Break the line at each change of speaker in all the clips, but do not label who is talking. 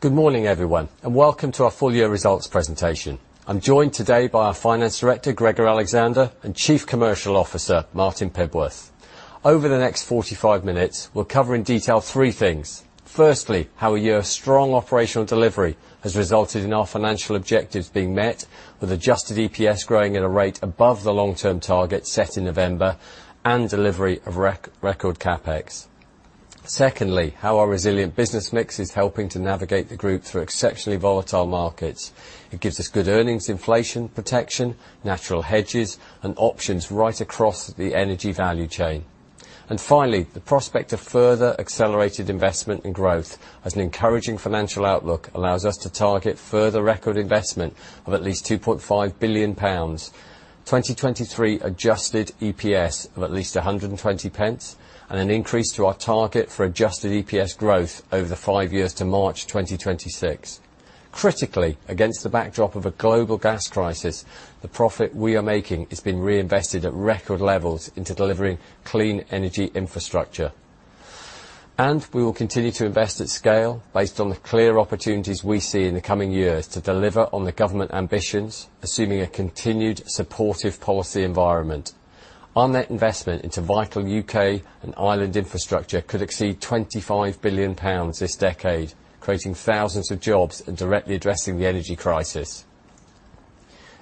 Good morning, everyone, and welcome to our full year results presentation. I'm joined today by our Finance Director, Gregor Alexander, and Chief Commercial Officer, Martin Pibworth. Over the next 45 minutes, we'll cover in detail three things. Firstly, how a year of strong operational delivery has resulted in our financial objectives being met with adjusted EPS growing at a rate above the long-term target set in November and delivery of record CapEx. Secondly, how our resilient business mix is helping to navigate the group through exceptionally volatile markets. It gives us good earnings, inflation protection, natural hedges, and options right across the energy value chain. Finally, the prospect of further accelerated investment and growth as an encouraging financial outlook allows us to target further record investment of at least 2.5 billion pounds, 2023 adjusted EPS of at least 120 pence, and an increase to our target for adjusted EPS growth over the five years to March 2026. Critically, against the backdrop of a global gas crisis, the profit we are making is being reinvested at record levels into delivering clean energy infrastructure. We will continue to invest at scale based on the clear opportunities we see in the coming years to deliver on the government ambitions, assuming a continued supportive policy environment. That investment into vital U.K. and island infrastructure could exceed 25 billion pounds this decade, creating thousands of jobs and directly addressing the energy crisis.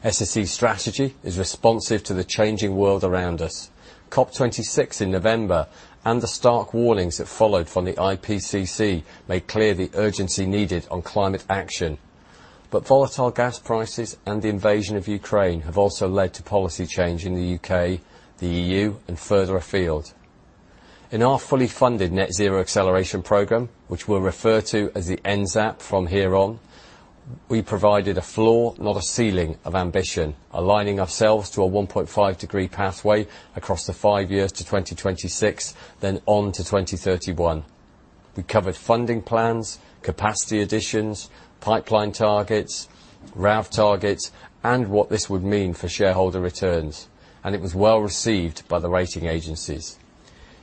SSE's strategy is responsive to the changing world around us. COP26 in November and the stark warnings that followed from the IPCC made clear the urgency needed on climate action. Volatile gas prices and the invasion of Ukraine have also led to policy change in the U.K., the E.U., and further afield. In our fully funded Net Zero Acceleration Program, which we'll refer to as the NZAP from here on, we provided a floor, not a ceiling of ambition, aligning ourselves to a one point five-degree pathway across the five years to 2026, then on to 2031. We covered funding plans, capacity additions, pipeline targets, RAV targets, and what this would mean for shareholder returns, and it was well received by the rating agencies.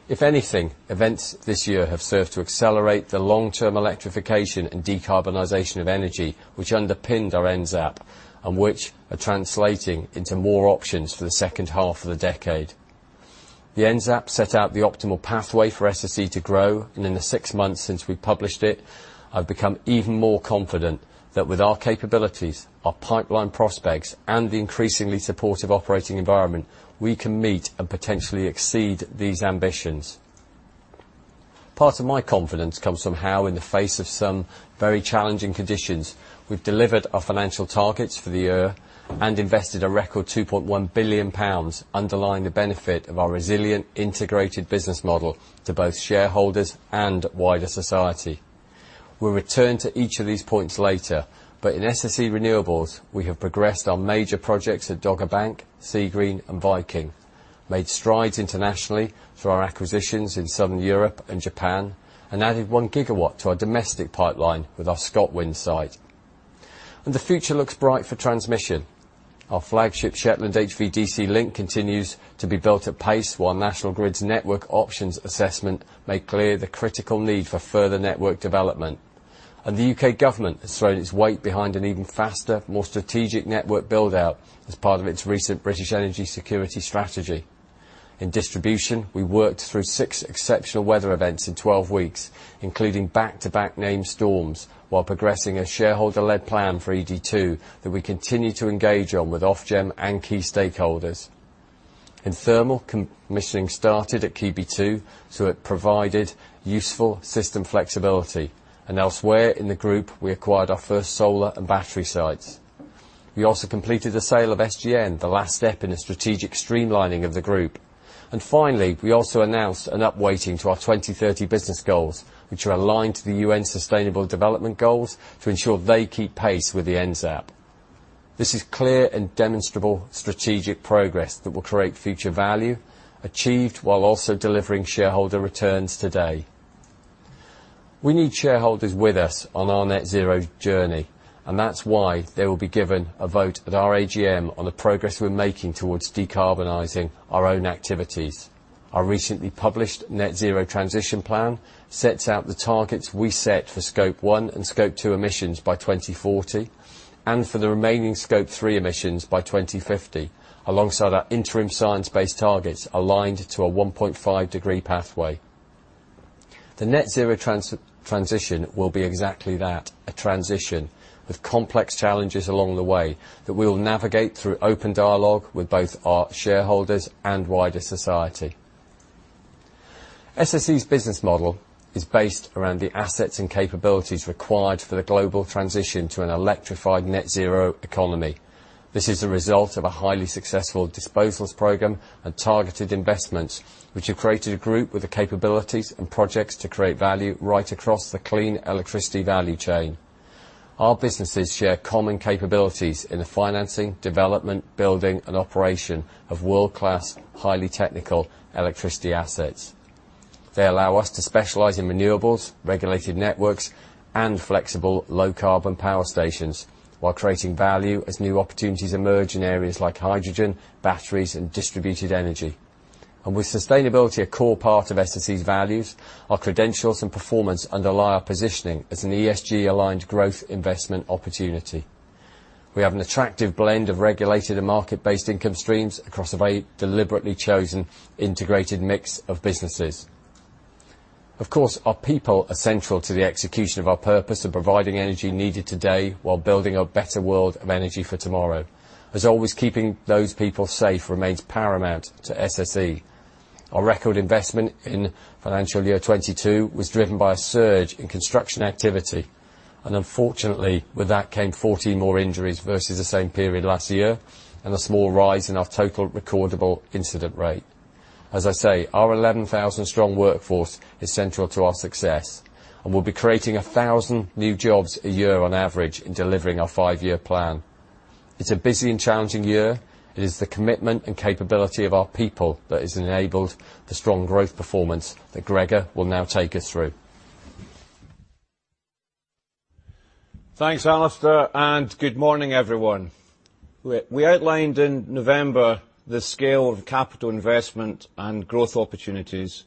If anything, events this year have served to accelerate the long-term electrification and decarbonization of energy, which underpinned our NZAP and which are translating into more options for the second half of the decade. The NZAP set out the optimal pathway for SSE to grow, and in the six months since we published it, I've become even more confident that with our capabilities, our pipeline prospects, and the increasingly supportive operating environment, we can meet and potentially exceed these ambitions. Part of my confidence comes from how in the face of some very challenging conditions, we've delivered our financial targets for the year and invested a record 2.1 billion pounds, underlying the benefit of our resilient integrated business model to both shareholders and wider society. We'll return to each of these points later, but in SSE Renewables, we have progressed on major projects at Dogger Bank, Seagreen, and Viking, made strides internationally through our acquisitions in Southern Europe and Japan, and added 1 GW to our domestic pipeline with our ScotWind site. The future looks bright for transmission. Our flagship Shetland HVDC Link continues to be built at pace while National Grid's network options assessment make clear the critical need for further network development. The U.K. government has thrown its weight behind an even faster, more strategic network build-out as part of its recent British Energy Security Strategy. In distribution, we worked through six exceptional weather events in 12 weeks, including back-to-back named storms, while progressing a shareholder-led plan for ED2 that we continue to engage on with Ofgem and key stakeholders. In thermal, commissioning started at Keadby 2, so it provided useful system flexibility. Elsewhere in the group, we acquired our first solar and battery sites. We also completed the sale of SGN, the last step in a strategic streamlining of the group. Finally, we also announced an upweighting to our 2030 business goals, which are aligned to the UN Sustainable Development Goals to ensure they keep pace with the NZAP. This is clear and demonstrable strategic progress that will create future value, achieved while also delivering shareholder returns today. We need shareholders with us on our net zero journey, and that's why they will be given a vote at our AGM on the progress we're making towards decarbonizing our own activities. Our recently published net zero transition plan sets out the targets we set for scope one and scope two emissions by 2040 and for the remaining scope three emissions by 2050, alongside our interim science-based targets aligned to a one point five-degree pathway. The net zero transition will be exactly that, a transition with complex challenges along the way that we will navigate through open dialogue with both our shareholders and wider society. SSE's business model is based around the assets and capabilities required for the global transition to an electrified net zero economy. This is a result of a highly successful disposals program and targeted investments, which have created a group with the capabilities and projects to create value right across the clean electricity value chain. Our businesses share common capabilities in the financing, development, building, and operation of world-class highly technical electricity assets. They allow us to specialize in renewables, regulated networks, and flexible low carbon power stations while creating value as new opportunities emerge in areas like hydrogen, batteries, and distributed energy. With sustainability a core part of SSE's values, our credentials and performance underlie our positioning as an ESG-aligned growth investment opportunity. We have an attractive blend of regulated and market-based income streams across a very deliberately chosen, integrated mix of businesses. Of course, our people are central to the execution of our purpose of providing energy needed today while building a better world of energy for tomorrow. As always, keeping those people safe remains paramount to SSE. Our record investment in financial year 2022 was driven by a surge in construction activity. Unfortunately, with that came 14 more injuries versus the same period last year, and a small rise in our total recordable incident rate. As I say, our 11,000-strong workforce is central to our success, and we'll be creating 1,000 new jobs a year on average in delivering our five-year plan. It's a busy and challenging year. It is the commitment and capability of our people that has enabled the strong growth performance that Gregor will now take us through.
Thanks, Alistair, and good morning, everyone. We outlined in November the scale of capital investment and growth opportunities,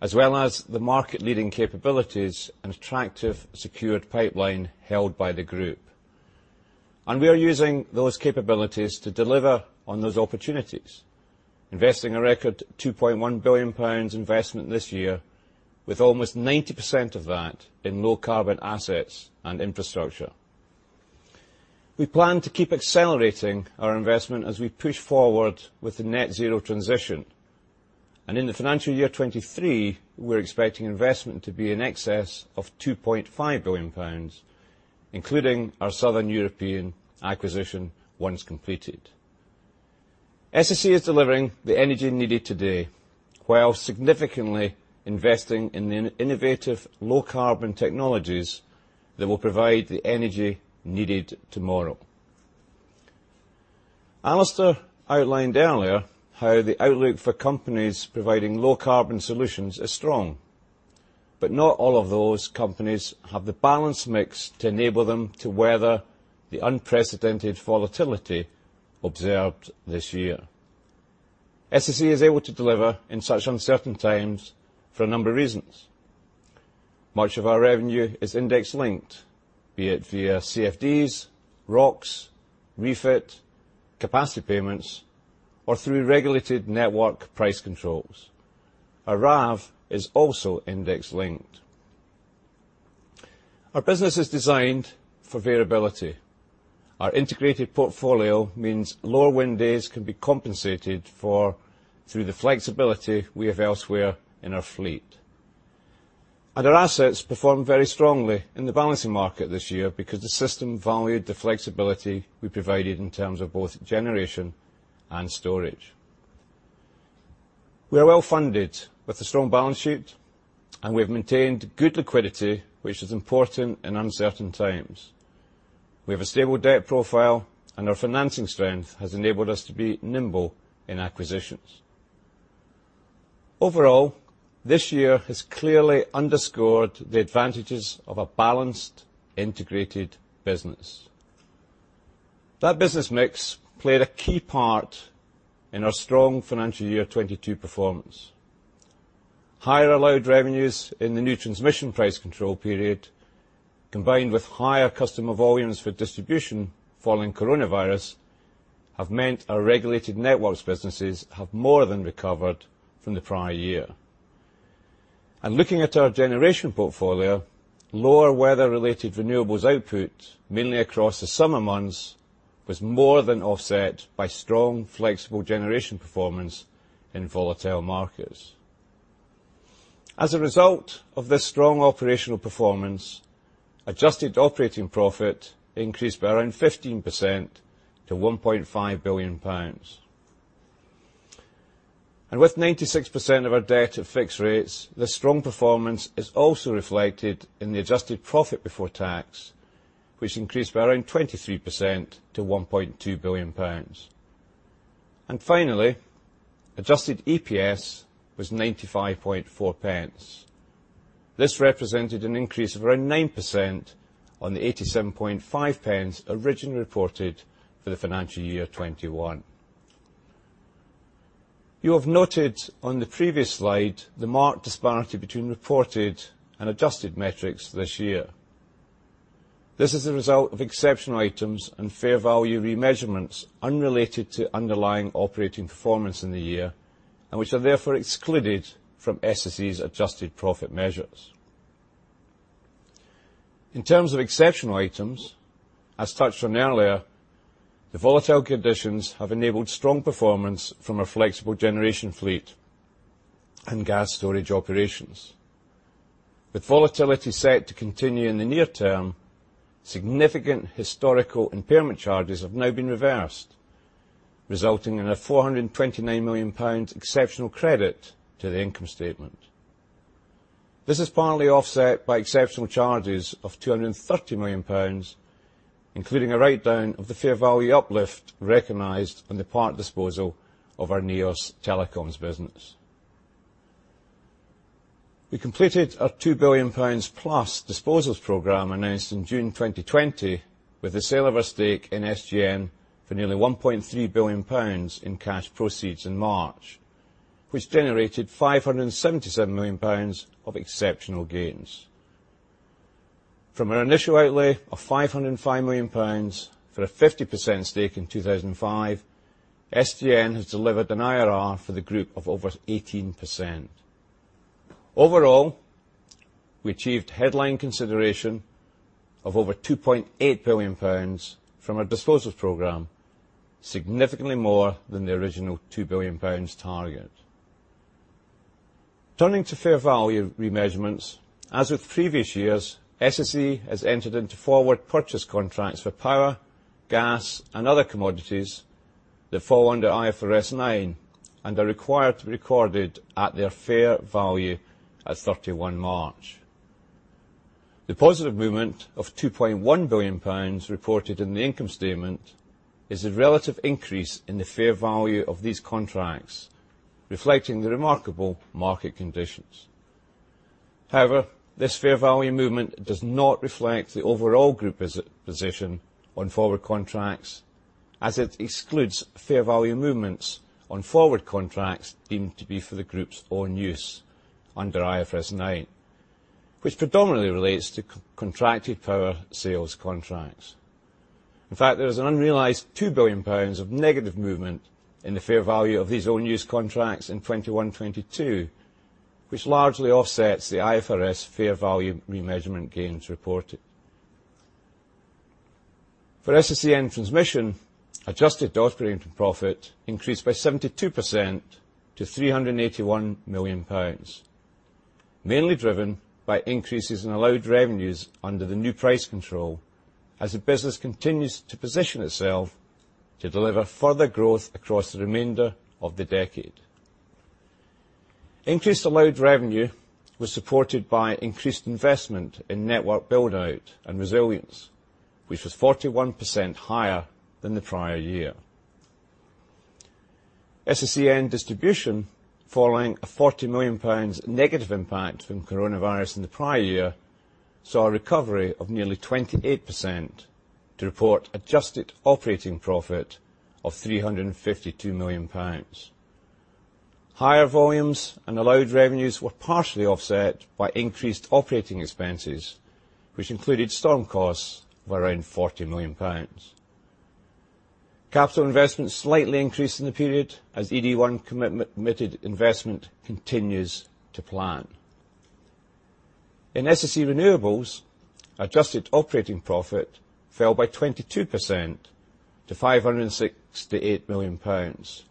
as well as the market-leading capabilities and attractive secured pipeline held by the group. We are using those capabilities to deliver on those opportunities, investing a record 2.1 billion pounds investment this year, with almost 90% of that in low-carbon assets and infrastructure. We plan to keep accelerating our investment as we push forward with the net zero transition. In the financial year 2023, we're expecting investment to be in excess of 2.5 billion pounds, including our Southern European acquisition once completed. SSE is delivering the energy needed today, while significantly investing in innovative low-carbon technologies that will provide the energy needed tomorrow. Alistair outlined earlier how the outlook for companies providing low-carbon solutions is strong. Not all of those companies have the balanced mix to enable them to weather the unprecedented volatility observed this year. SSE is able to deliver in such uncertain times for a number of reasons. Much of our revenue is index-linked, be it via CFDs, ROCs, REFIT, capacity payments, or through regulated network price controls. Our RAV is also index-linked. Our business is designed for variability. Our integrated portfolio means lower wind days can be compensated for through the flexibility we have elsewhere in our fleet. Our assets performed very strongly in the balancing market this year because the system valued the flexibility we provided in terms of both generation and storage. We are well-funded, with a strong balance sheet, and we have maintained good liquidity, which is important in uncertain times. We have a stable debt profile, and our financing strength has enabled us to be nimble in acquisitions. Overall, this year has clearly underscored the advantages of a balanced, integrated business. That business mix played a key part in our strong financial year 2022 performance. Higher allowed revenues in the new transmission price control period, combined with higher customer volumes for distribution following coronavirus, have meant our regulated networks businesses have more than recovered from the prior year. Looking at our generation portfolio, lower weather-related renewables output, mainly across the summer months, was more than offset by strong, flexible generation performance in volatile markets. As a result of this strong operational performance, adjusted operating profit increased by around 15% to 1.5 billion pounds. With 96% of our debt at fixed rates, this strong performance is also reflected in the adjusted profit before tax, which increased by around 23% to 1.2 billion pounds. Finally, adjusted EPS was 0.954. This represented an increase of around 9% on the 0.875 originally reported for the financial year 2021. You have noted on the previous slide the marked disparity between reported and adjusted metrics this year. This is a result of exceptional items and fair value remeasurements unrelated to underlying operating performance in the year, and which are therefore excluded from SSE's adjusted profit measures. In terms of exceptional items, as touched on earlier, the volatile conditions have enabled strong performance from our flexible generation fleet and gas storage operations. With volatility set to continue in the near term, significant historical impairment charges have now been reversed, resulting in a 429 million pounds exceptional credit to the income statement. This is partly offset by exceptional charges of 230 million pounds, including a writedown of the fair value uplift recognized on the part disposal of our Neos Networks telecoms business. We completed our 2 billion pounds plus disposals program announced in June 2020 with the sale of our stake in SGN for nearly GBP 1.3 billion in cash proceeds in March, which generated GBP 577 million of exceptional gains. From our initial outlay of GBP 505 million for a 50% stake in 2005, SGN has delivered an IRR for the group of over 18%. Overall, we achieved headline consideration of over 2.8 billion pounds from our disposals program, significantly more than the original 2 billion pounds target. Turning to fair value remeasurements, as with previous years, SSE has entered into forward purchase contracts for power, gas, and other commodities that fall under IFRS 9 and are required to be recorded at their fair value at March 31st. The positive movement of 2.1 billion pounds reported in the income statement is a relative increase in the fair value of these contracts, reflecting the remarkable market conditions. However, this fair value movement does not reflect the overall group position on forward contracts as it excludes fair value movements on forward contracts deemed to be for the group's own use under IFRS 9, which predominantly relates to contracted power sales contracts. In fact, there is an unrealized 2 billion pounds of negative movement in the fair value of these own-use contracts in 2021, 2022, which largely offsets the IFRS fair value remeasurement gains reported. For SSEN Transmission, adjusted operating profit increased by 72% to 381 million pounds, mainly driven by increases in allowed revenues under the new price control as the business continues to position itself to deliver further growth across the remainder of the decade. Increased allowed revenue was supported by increased investment in network build-out and resilience, which was 41% higher than the prior year. SSEN Distribution, following a 40 million pounds negative impact from coronavirus in the prior year, saw a recovery of nearly 28% to report adjusted operating profit of 352 million pounds. Higher volumes and allowed revenues were partially offset by increased operating expenses, which included storm costs of around 40 million pounds. Capital investments slightly increased in the period as ED1 committed investment continues to plan. In SSE Renewables, adjusted operating profit fell by 22% to 568 million pounds,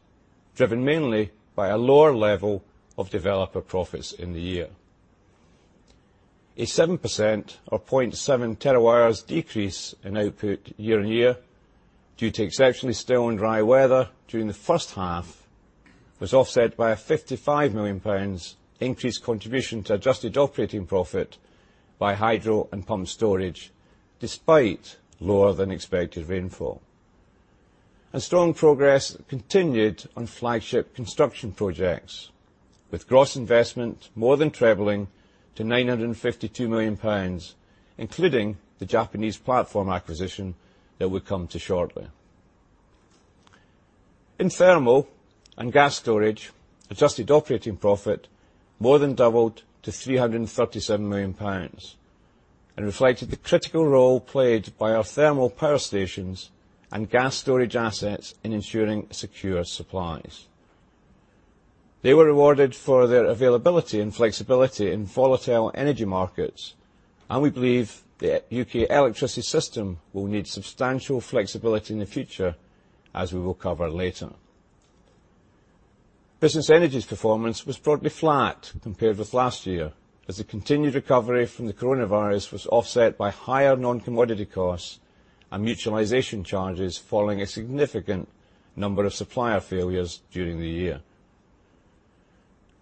driven mainly by a lower level of developer profits in the year. A 7%, or 0.7 terawatts, decrease in output year-on-year due to exceptionally still and dry weather during the first half was offset by a GBP 55 million increased contribution to adjusted operating profit by hydro and pumped storage, despite lower than expected rainfall. Strong progress continued on flagship construction projects, with gross investment more than trebling to 952 million pounds, including the Japanese platform acquisition that we'll come to shortly. In Thermal and Gas Storage, adjusted operating profit more than doubled to 337 million pounds and reflected the critical role played by our thermal power stations and gas storage assets in ensuring secure supplies. They were rewarded for their availability and flexibility in volatile energy markets, and we believe the U.K. electricity system will need substantial flexibility in the future, as we will cover later. Business Energy's performance was broadly flat compared with last year, as the continued recovery from the coronavirus was offset by higher non-commodity costs and mutualization charges following a significant number of supplier failures during the year.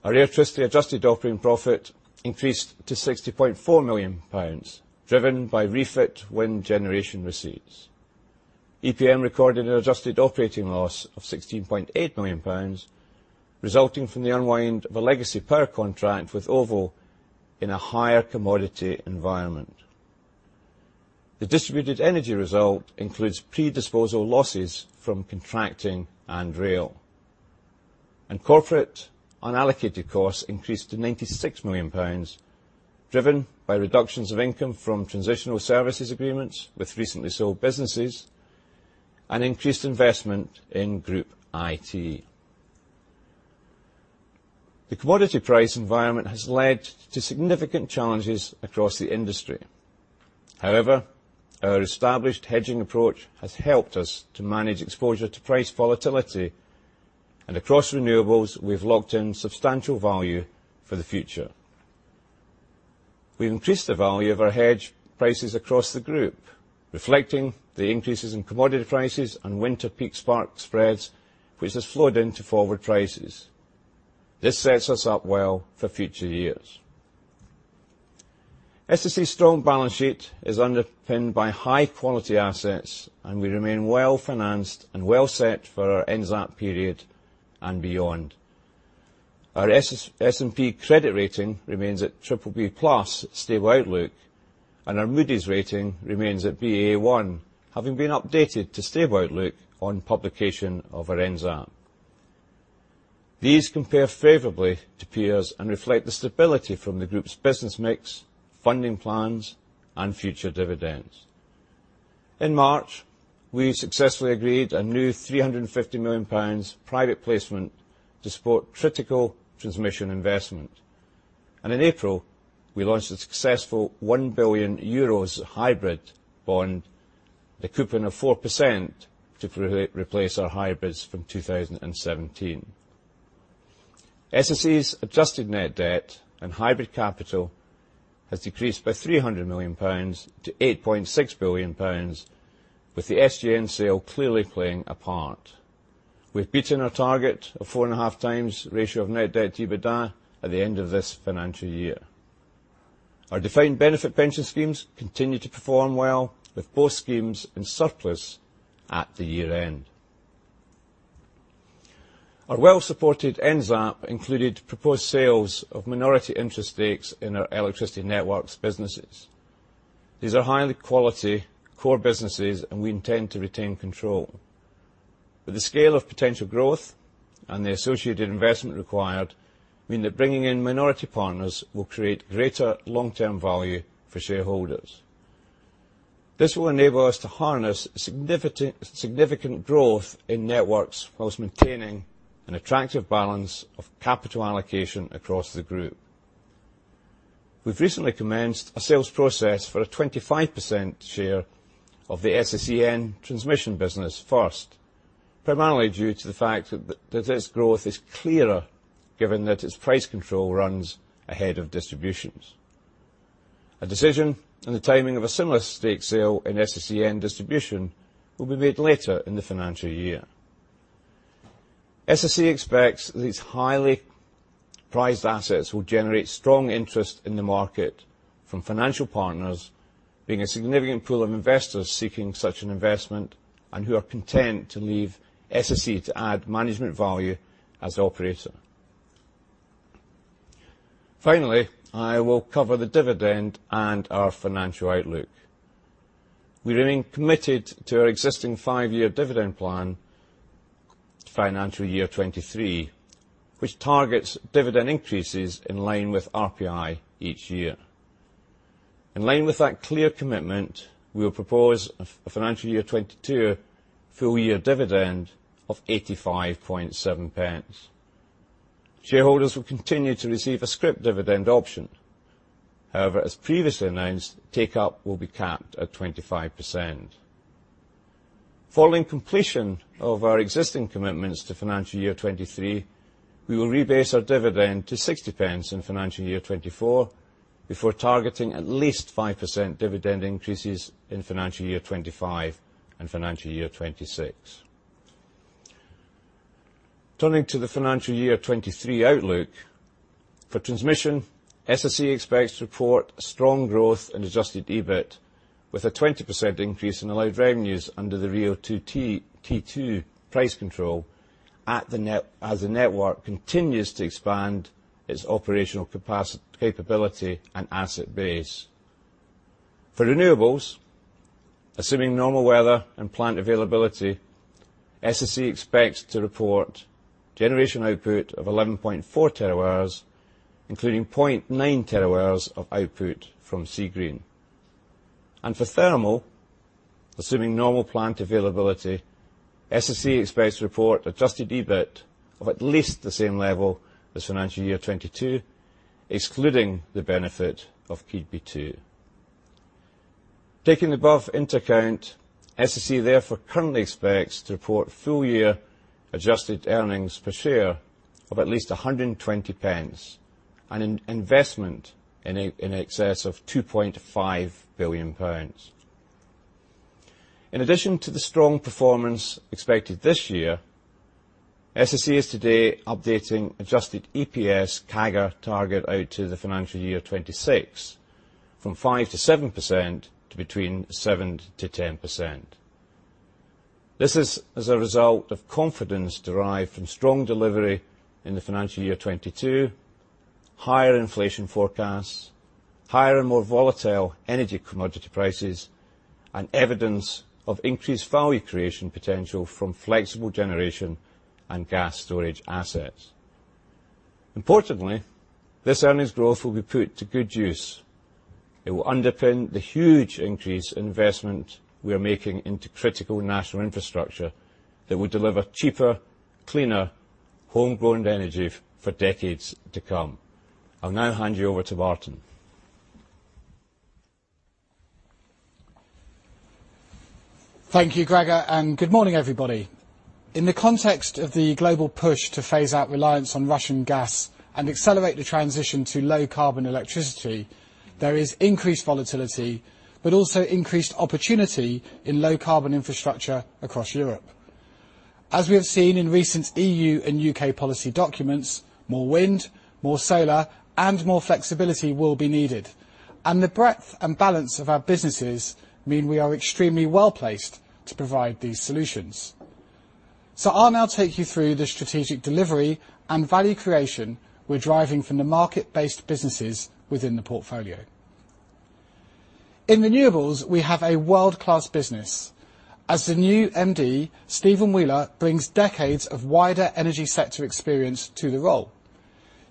Our electricity adjusted operating profit increased to 60.4 million pounds, driven by REFIT wind generation receipts. EPM recorded an adjusted operating loss of 16.8 million pounds, resulting from the unwind of a legacy power contract with OVO in a higher commodity environment. The distributed energy result includes predisposal losses from contracting and rail. Corporate unallocated costs increased to GBP 96 million, driven by reductions of income from transitional services agreements with recently sold businesses and increased investment in group IT. The commodity price environment has led to significant challenges across the industry. However, our established hedging approach has helped us to manage exposure to price volatility, and across renewables, we've locked in substantial value for the future. We've increased the value of our hedge prices across the group, reflecting the increases in commodity prices and winter peak spark spreads, which has flowed into forward prices. This sets us up well for future years. SSE's strong balance sheet is underpinned by high-quality assets, and we remain well-financed and well-set for our NZAP period and beyond. Our S&P credit rating remains at BBB+ stable outlook, and our Moody's rating remains at Baa1, having been updated to stable outlook on publication of our NZAP. These compare favorably to peers and reflect the stability from the group's business mix, funding plans, and future dividends. In March, we successfully agreed a new 350 million pounds private placement to support critical transmission investment. In April, we launched a successful 1 billion euros hybrid bond, the coupon of 4% to replace our hybrids from 2017. SSE's adjusted net debt and hybrid capital has decreased by 300 million pounds to 8.6 billion pounds, with the SGN sale clearly playing a part. We've beaten our target of 4.5x ratio of net debt to EBITDA at the end of this financial year. Our defined benefit pension schemes continue to perform well with both schemes in surplus at the year-end. Our well-supported NZAP included proposed sales of minority interest stakes in our electricity networks businesses. These are high quality core businesses, and we intend to retain control. The scale of potential growth and the associated investment required mean that bringing in minority partners will create greater long-term value for shareholders. This will enable us to harness significant growth in networks whilst maintaining an attractive balance of capital allocation across the group. We've recently commenced a sales process for a 25% share of the SSEN transmission business first, primarily due to the fact that this growth is clearer given that its price control runs ahead of distributions. A decision and the timing of a similar stake sale in SSEN distribution will be made later in the financial year. SSE expects these highly prized assets will generate strong interest in the market from financial partners, being a significant pool of investors seeking such an investment and who are content to leave SSE to add management value as operator. Finally, I will cover the dividend and our financial outlook. We remain committed to our existing 5-year dividend plan, financial year 2023, which targets dividend increases in line with RPI each year. In line with that clear commitment, we will propose a financial year 2022 full-year dividend of 0.857. Shareholders will continue to receive a scrip dividend option. However, as previously announced, take-up will be capped at 25%. Following completion of our existing commitments to financial year 2023, we will rebase our dividend to 0.60 in financial year 2024 before targeting at least 5% dividend increases in financial year 2025 and financial year 2026. Turning to the financial year 2023 outlook, for transmission, SSE expects to report strong growth in adjusted EBIT, with a 20% increase in allowed revenues under the RIIO-T2 price control as the network continues to expand its operational capability and asset base. For renewables, assuming normal weather and plant availability, SSE expects to report generation output of 11.4 TWh, including 0.9 TWh of output from Seagreen. For thermal, assuming normal plant availability, SSE expects to report Adjusted EBIT of at least the same level as financial year 2022, excluding the benefit of Keadby 2. Taking the above into account, SSE therefore currently expects to report full-year adjusted earnings per share of at least 1.20, an investment in excess of 2.5 billion pounds. In addition to the strong performance expected this year, SSE is today updating adjusted EPS CAGR target out to the financial year 2026 from 5%-7% to between 7%-10%. This is as a result of confidence derived from strong delivery in the financial year 2022, higher inflation forecasts, higher and more volatile energy commodity prices, and evidence of increased value creation potential from flexible generation and gas storage assets. Importantly, this earnings growth will be put to good use. It will underpin the huge increase in investment we are making into critical national infrastructure that will deliver cheaper, cleaner, homegrown energy for decades to come. I'll now hand you over to Martin.
Thank you, Gregor, and good morning, everybody. In the context of the global push to phase out reliance on Russian gas and accelerate the transition to low-carbon electricity, there is increased volatility, but also increased opportunity in low-carbon infrastructure across Europe. As we have seen in recent E.U. and U.K. policy documents, more wind, more solar, and more flexibility will be needed. The breadth and balance of our businesses mean we are extremely well-placed to provide these solutions. I'll now take you through the strategic delivery and value creation we're driving from the market-based businesses within the portfolio. In renewables, we have a world-class business. As the new MD, Stephen Wheeler brings decades of wider energy sector experience to the role.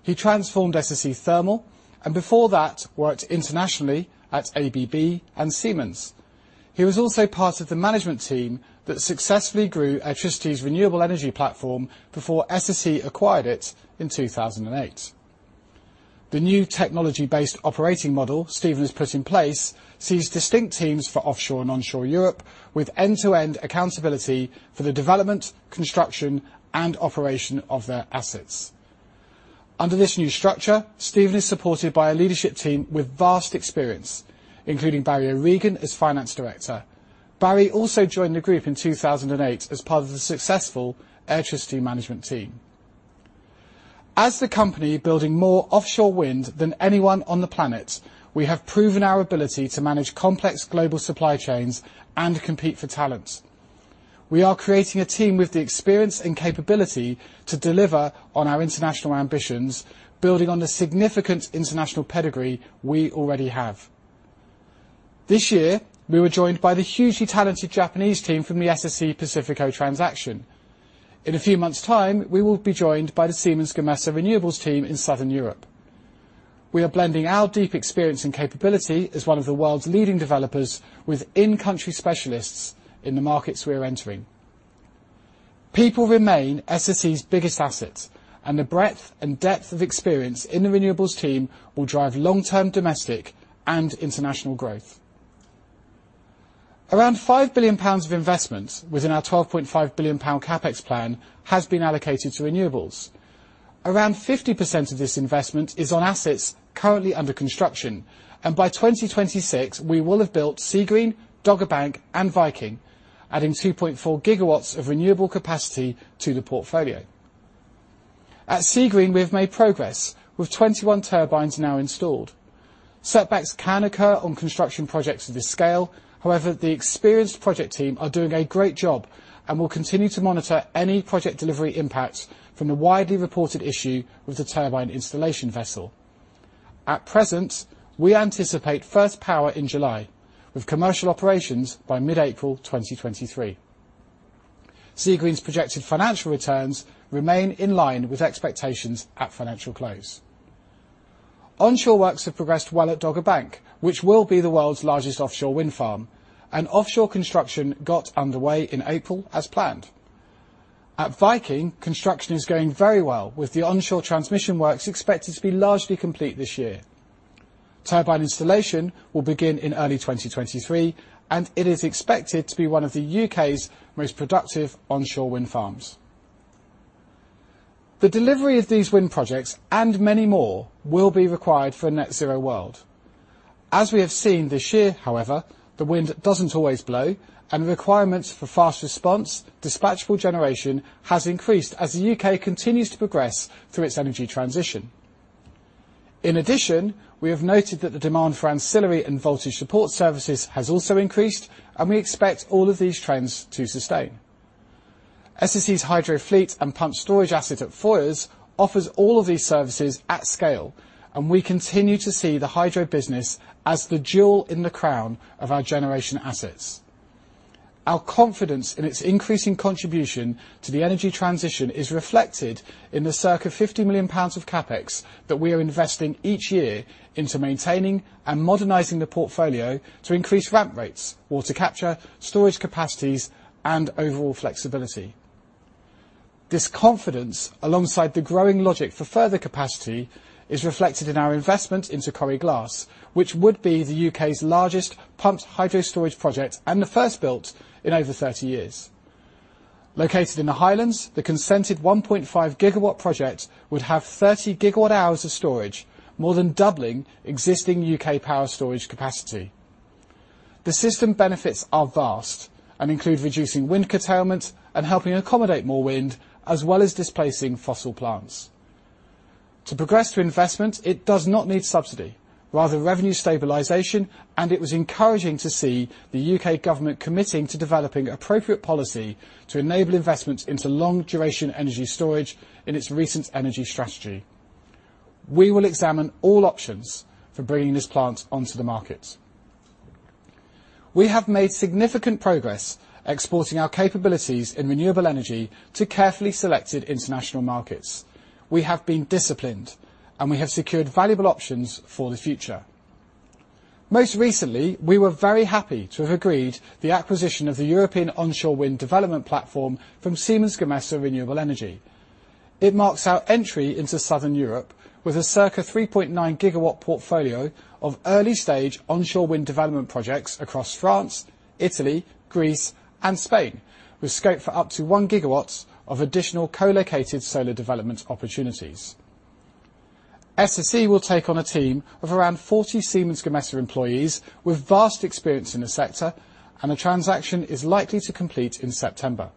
He transformed SSE Thermal, and before that, worked internationally at ABB and Siemens. He was also part of the management team that successfully grew Airtricity's renewable energy platform before SSE acquired it in 2008. The new technology-based operating model Stephen has put in place sees distinct teams for offshore and onshore Europe with end-to-end accountability for the development, construction, and operation of their assets. Under this new structure, Stephen is supported by a leadership team with vast experience, including Barry O'Regan as Finance Director. Barry also joined the group in 2008 as part of the successful Airtricity management team. As the company building more offshore wind than anyone on the planet, we have proven our ability to manage complex global supply chains and compete for talent. We are creating a team with the experience and capability to deliver on our international ambitions, building on the significant international pedigree we already have. This year, we were joined by the hugely talented Japanese team from the SSE Pacifico transaction. In a few months' time, we will be joined by the Siemens Gamesa renewables team in Southern Europe. We are blending our deep experience and capability as one of the world's leading developers with in-country specialists in the markets we're entering. People remain SSE's biggest asset, and the breadth and depth of experience in the renewables team will drive long-term domestic and international growth. Around 5 billion pounds of investment within our 12.5 billion pound CapEx plan has been allocated to renewables. Around 50% of this investment is on assets currently under construction, and by 2026, we will have built Seagreen, Dogger Bank, and Viking, adding 2.4 GWs of renewable capacity to the portfolio. At Seagreen, we have made progress with 21 turbines now installed. Setbacks can occur on construction projects of this scale. However, the experienced project team are doing a great job and will continue to monitor any project delivery impact from the widely reported issue with the turbine installation vessel. At present, we anticipate first power in July, with commercial operations by mid-April 2023. Seagreen's projected financial returns remain in line with expectations at financial close. Onshore works have progressed well at Dogger Bank, which will be the world's largest offshore wind farm, and offshore construction got underway in April as planned. At Viking, construction is going very well, with the onshore transmission works expected to be largely complete this year. Turbine installation will begin in early 2023, and it is expected to be one of the U.K.'s most productive onshore wind farms. The delivery of these wind projects, and many more, will be required for a net zero world. As we have seen this year, however, the wind doesn't always blow, and the requirements for fast response, dispatchable generation, has increased as the U.K. continues to progress through its energy transition. In addition, we have noted that the demand for ancillary and voltage support services has also increased, and we expect all of these trends to sustain. SSE's Hydro fleet and pumped storage asset at Foyers offers all of these services at scale, and we continue to see the Hydro business as the jewel in the crown of our generation assets. Our confidence in its increasing contribution to the energy transition is reflected in the circa 50 million pounds of CapEx that we are investing each year into maintaining and modernizing the portfolio to increase ramp rates, water capture, storage capacities, and overall flexibility. This confidence, alongside the growing logic for further capacity, is reflected in our investment into Coire Glas, which would be the U.K.'s largest pumped hydro storage project and the first built in over 30 years. Located in the Highlands, the consented 1.5 GW project would have 30 GWh of storage, more than doubling existing U.K. power storage capacity. The system benefits are vast and include reducing wind curtailment and helping accommodate more wind, as well as displacing fossil plants. To progress to investment, it does not need subsidy, rather revenue stabilization, and it was encouraging to see the U.K. government committing to developing appropriate policy to enable investments into long-duration energy storage in its recent energy strategy. We will examine all options for bringing this plant onto the market. We have made significant progress exporting our capabilities in renewable energy to carefully selected international markets. We have been disciplined, and we have secured valuable options for the future. Most recently, we were very happy to have agreed the acquisition of the European onshore wind development platform from Siemens Gamesa Renewable Energy. It marks our entry into Southern Europe with a circa 3.9-GW portfolio of early-stage onshore wind development projects across France, Italy, Greece, and Spain, with scope for up to 1 GW of additional co-located solar development opportunities. SSE will take on a team of around 40 Siemens Gamesa employees with vast experience in the sector, and the transaction is likely to complete in September.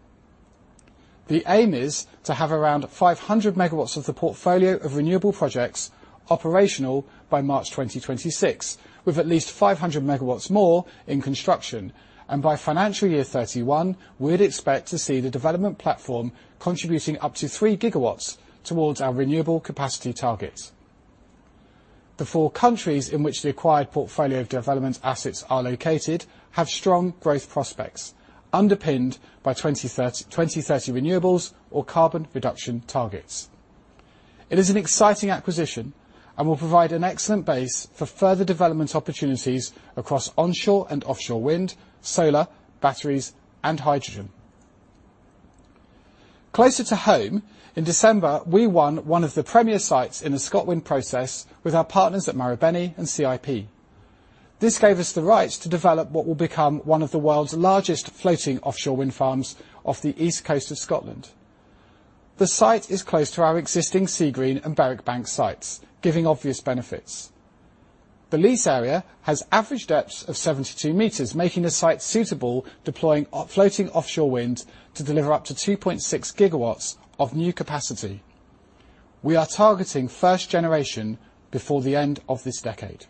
The aim is to have around 500 megawatts of the portfolio of renewable projects operational by March 2026, with at least 500 megawatts more in construction. By financial year 2031, we'd expect to see the development platform contributing up to 3 GWs towards our renewable capacity target. The four countries in which the acquired portfolio of development assets are located have strong growth prospects underpinned by 2030 renewables or carbon reduction targets. It is an exciting acquisition and will provide an excellent base for further development opportunities across onshore and offshore wind, solar, batteries, and hydrogen. Closer to home, in December, we won one of the premier sites in the ScotWind process with our partners at Marubeni and CIP. This gave us the right to develop what will become one of the world's largest floating offshore wind farms off the east coast of Scotland. The site is close to our existing Seagreen and Berwick Bank sites, giving obvious benefits. The lease area has average depths of 72 meters, making the site suitable for deploying floating offshore wind to deliver up to 2.6 GWs of new capacity. We are targeting first generation before the end of this decade.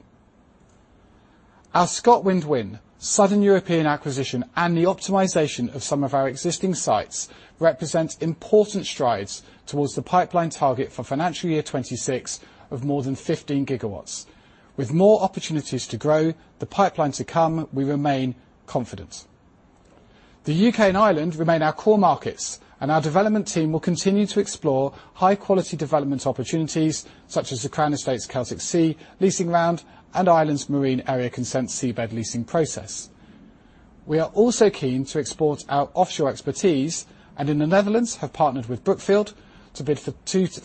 Our ScotWind win, southern European acquisition, and the optimization of some of our existing sites represents important strides towards the pipeline target for financial year 2026 of more than 15 GWs. With more opportunities to grow, the pipeline to come, we remain confident. The U.K. and Ireland remain our core markets, and our development team will continue to explore high-quality development opportunities such as the Crown Estate's Celtic Sea leasing round and Ireland's Maritime Area Consent Seabed leasing process. We are also keen to export our offshore expertise and in the Netherlands have partnered with Brookfield to bid for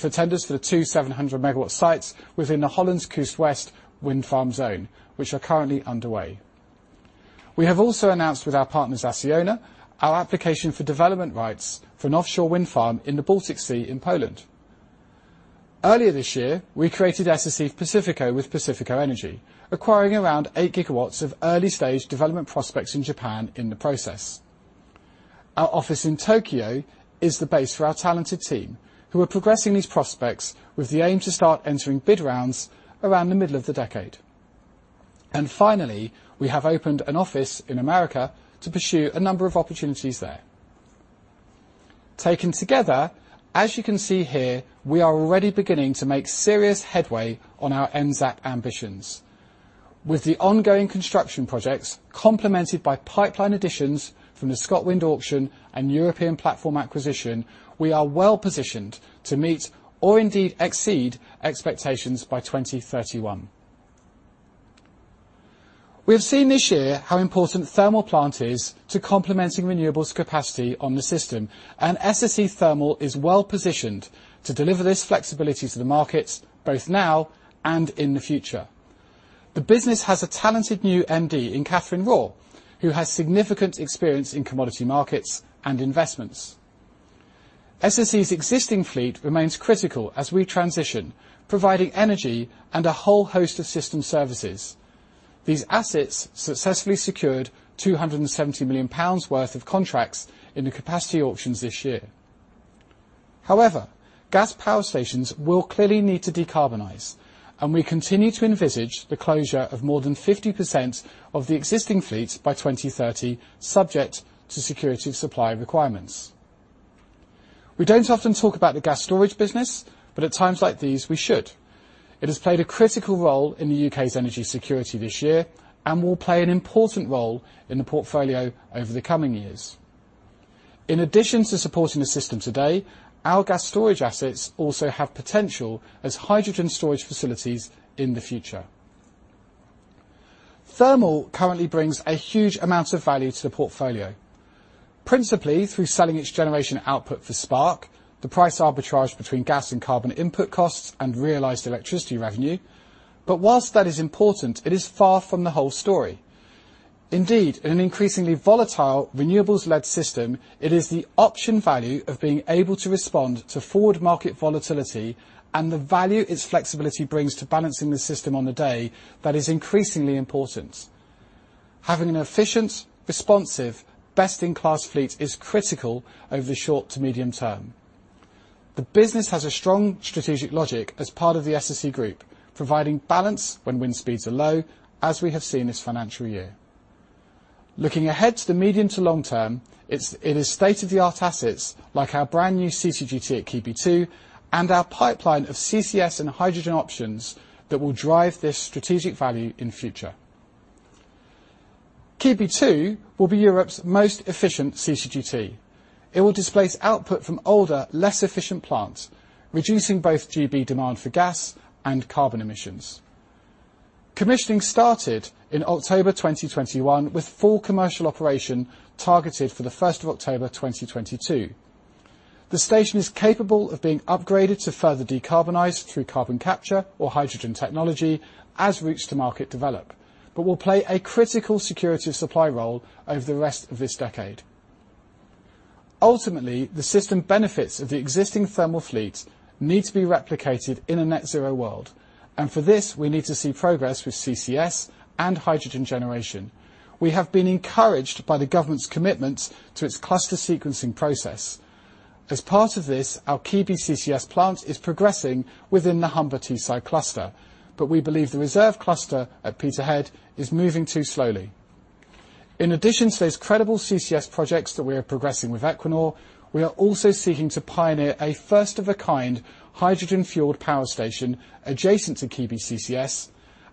tenders for the two 700-MW sites within the Holland Kust West wind farm zone, which are currently underway. We have also announced with our partners, Acciona, our application for development rights for an offshore wind farm in the Baltic Sea in Poland. Earlier this year, we created SSE Pacifico with Pacifico Energy, acquiring around 8 GWs of early-stage development prospects in Japan in the process. Our office in Tokyo is the base for our talented team who are progressing these prospects with the aim to start entering bid rounds around the middle of the decade. Finally, we have opened an office in America to pursue a number of opportunities there. Taken together, as you can see here, we are already beginning to make serious headway on our NZAP ambitions. With the ongoing construction projects complemented by pipeline additions from the ScotWind auction and European platform acquisition, we are well-positioned to meet or indeed exceed expectations by 2031. We have seen this year how important thermal plant is to complementing renewables capacity on the system, and SSE Thermal is well-positioned to deliver this flexibility to the markets both now and in the future. The business has a talented new MD in Catherine Raw, who has significant experience in commodity markets and investments. SSE's existing fleet remains critical as we transition, providing energy and a whole host of system services. These assets successfully secured 270 million pounds worth of contracts in the capacity auctions this year. However, gas power stations will clearly need to decarbonize, and we continue to envisage the closure of more than 50% of the existing fleet by 2030, subject to security of supply requirements. We don't often talk about the gas storage business, but at times like these, we should. It has played a critical role in the U.K.'s energy security this year and will play an important role in the portfolio over the coming years. In addition to supporting the system today, our gas storage assets also have potential as hydrogen storage facilities in the future. Thermal currently brings a huge amount of value to the portfolio, principally through selling its generation output for spark spread, the price arbitrage between gas and carbon input costs and realized electricity revenue. Whilst that is important, it is far from the whole story. Indeed, in an increasingly volatile renewables-led system, it is the option value of being able to respond to forward market volatility and the value its flexibility brings to balancing the system on the day that is increasingly important. Having an efficient, responsive, best-in-class fleet is critical over the short to medium term. The business has a strong strategic logic as part of the SSE group, providing balance when wind speeds are low, as we have seen this financial year. Looking ahead to the medium to long term, it is state-of-the-art assets like our brand new CCGT at Keadby Two and our pipeline of CCS and hydrogen options that will drive this strategic value in future. Keadby Two will be Europe's most efficient CCGT. It will displace output from older, less efficient plants, reducing both GB demand for gas and carbon emissions. Commissioning started in October 2021 with full commercial operation targeted for the first of October 2022. The station is capable of being upgraded to further decarbonize through carbon capture or hydrogen technology as routes to market develop, but will play a critical security of supply role over the rest of this decade. Ultimately, the system benefits of the existing thermal fleet need to be replicated in a net zero world. For this, we need to see progress with CCS and hydrogen generation. We have been encouraged by the government's commitment to its cluster sequencing process. As part of this, our key CCS plant is progressing within the Humber-Teesside cluster, but we believe the reserve cluster at Peterhead is moving too slowly. In addition to those credible CCS projects that we are progressing with Equinor, we are also seeking to pioneer a first-of-a-kind hydrogen-fueled power station adjacent to Keadby CCS,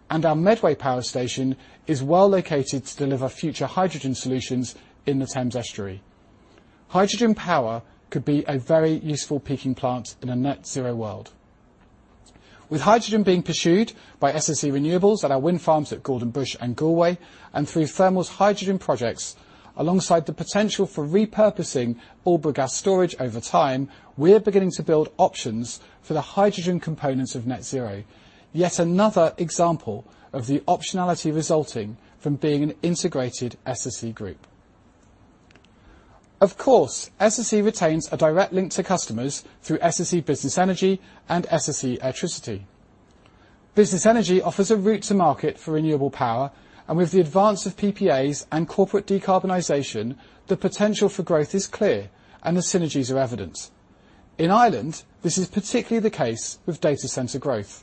and our Medway power station is well located to deliver future hydrogen solutions in the Thames Estuary. Hydrogen power could be a very useful peaking plant in a net zero world. With hydrogen being pursued by SSE Renewables at our wind farms at Gordonbush and Galway, and through SSE Thermal's hydrogen projects, alongside the potential for repurposing Aldbrough gas storage over time, we are beginning to build options for the hydrogen components of net zero. Yet another example of the optionality resulting from being an integrated SSE group. Of course, SSE retains a direct link to customers through SSE Business Energy and SSE Airtricity. Business Energy offers a route to market for renewable power, and with the advance of PPAs and corporate decarbonization, the potential for growth is clear and the synergies are evident. In Ireland, this is particularly the case with data center growth.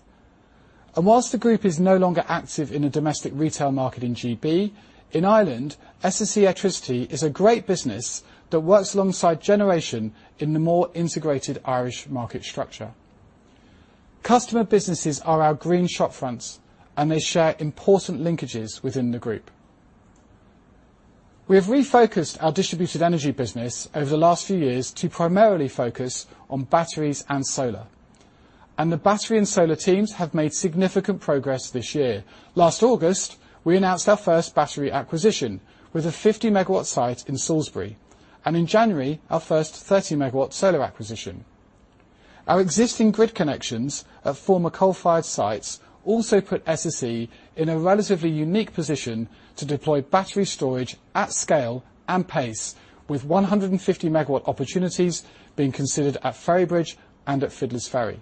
While the group is no longer active in a domestic retail market in GB, in Ireland, SSE Airtricity is a great business that works alongside generation in the more integrated Irish market structure. Customer businesses are our green shop fronts, and they share important linkages within the group. We have refocused our distributed energy business over the last few years to primarily focus on batteries and solar. The battery and solar teams have made significant progress this year. Last August, we announced our first battery acquisition with a 50 MW site in Salisbury, and in January, our first 30 MW solar acquisition. Our existing grid connections at former coal-fired sites also put SSE in a relatively unique position to deploy battery storage at scale and pace with 150-MW opportunities being considered at Ferrybridge and at Fiddler's Ferry.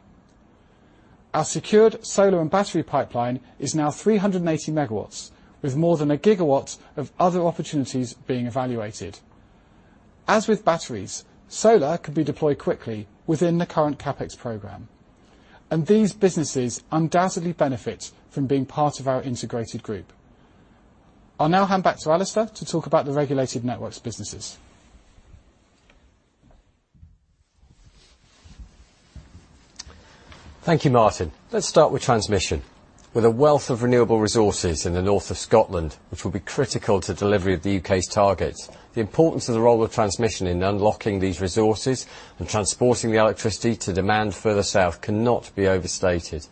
Our secured solar and battery pipeline is now 380 MW, with more than 1 GW of other opportunities being evaluated. As with batteries, solar could be deployed quickly within the current CapEx program. These businesses undoubtedly benefit from being part of our integrated group. I'll now hand back to Alistair to talk about the regulated networks businesses.
Thank you, Martin. Let's start with transmission. With a wealth of renewable resources in the north of Scotland, which will be critical to delivery of the U.K.'s targets, the importance of the role of transmission in unlocking these resources and transporting the electricity to demand further south cannot be overstated.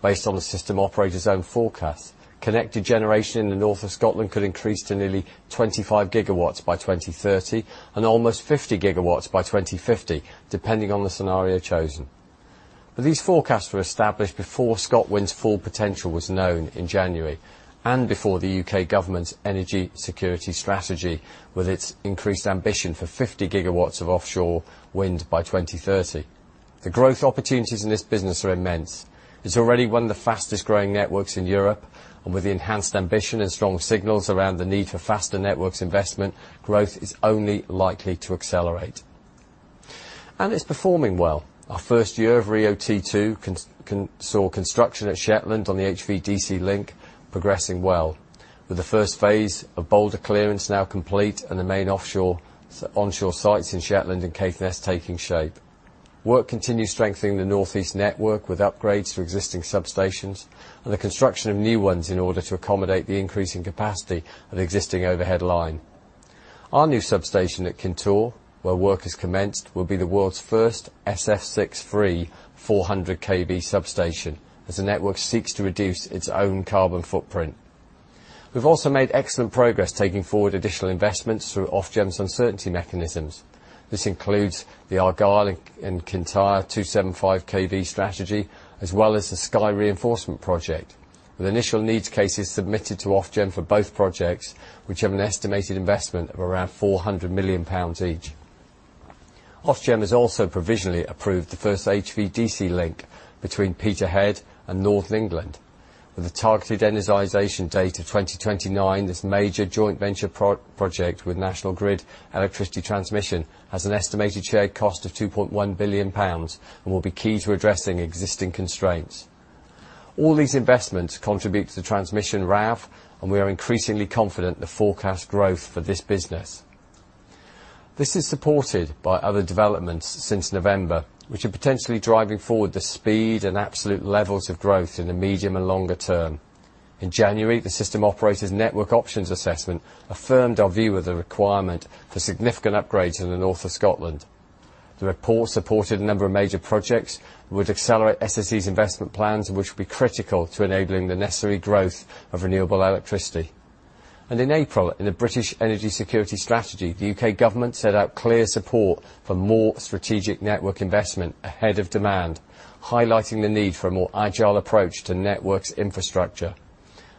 Based on the system operator's own forecast, connected generation in the north of Scotland could increase to nearly 25 GWs by 2030 and almost 50 GWs by 2050, depending on the scenario chosen. These forecasts were established before ScotWind's full potential was known in January and before the U.K. government's energy security strategy with its increased ambition for 50 GWs of offshore wind by 2030. The growth opportunities in this business are immense. It's already one of the fastest-growing networks in Europe, and with the enhanced ambition and strong signals around the need for faster networks investment, growth is only likely to accelerate. It's performing well. Our first year of RIIO-T2 saw construction at Shetland on the HVDC link progressing well, with the first phase of boulder clearance now complete and the main onshore sites in Shetland and Caithness taking shape. Work continues strengthening the northeast network with upgrades to existing substations and the construction of new ones in order to accommodate the increasing capacity of the existing overhead line. Our new substation at Kintore, where work has commenced, will be the world's first SF6-free 400 kV substation as the network seeks to reduce its own carbon footprint. We've also made excellent progress taking forward additional investments through Ofgem's uncertainty mechanisms. This includes the Argyll and Kintyre 275 kV strategy, as well as the Skye Reinforcement project, with initial need cases submitted to Ofgem for both projects, which have an estimated investment of around 400 million pounds each. Ofgem has also provisionally approved the first HVDC link between Peterhead and northern England. With a targeted energization date of 2029, this major joint venture project with National Grid Electricity Transmission has an estimated shared cost of 2.1 billion pounds and will be key to addressing existing constraints. All these investments contribute to the transmission RAV, and we are increasingly confident in the forecast growth for this business. This is supported by other developments since November, which are potentially driving forward the speed and absolute levels of growth in the medium and longer term. In January, the system operator's network options assessment affirmed our view of the requirement for significant upgrades in the north of Scotland. The report supported a number of major projects which accelerate SSE's investment plans, which will be critical to enabling the necessary growth of renewable electricity. In April, in the British Energy Security Strategy, the U.K. government set out clear support for more strategic network investment ahead of demand, highlighting the need for a more agile approach to networks infrastructure.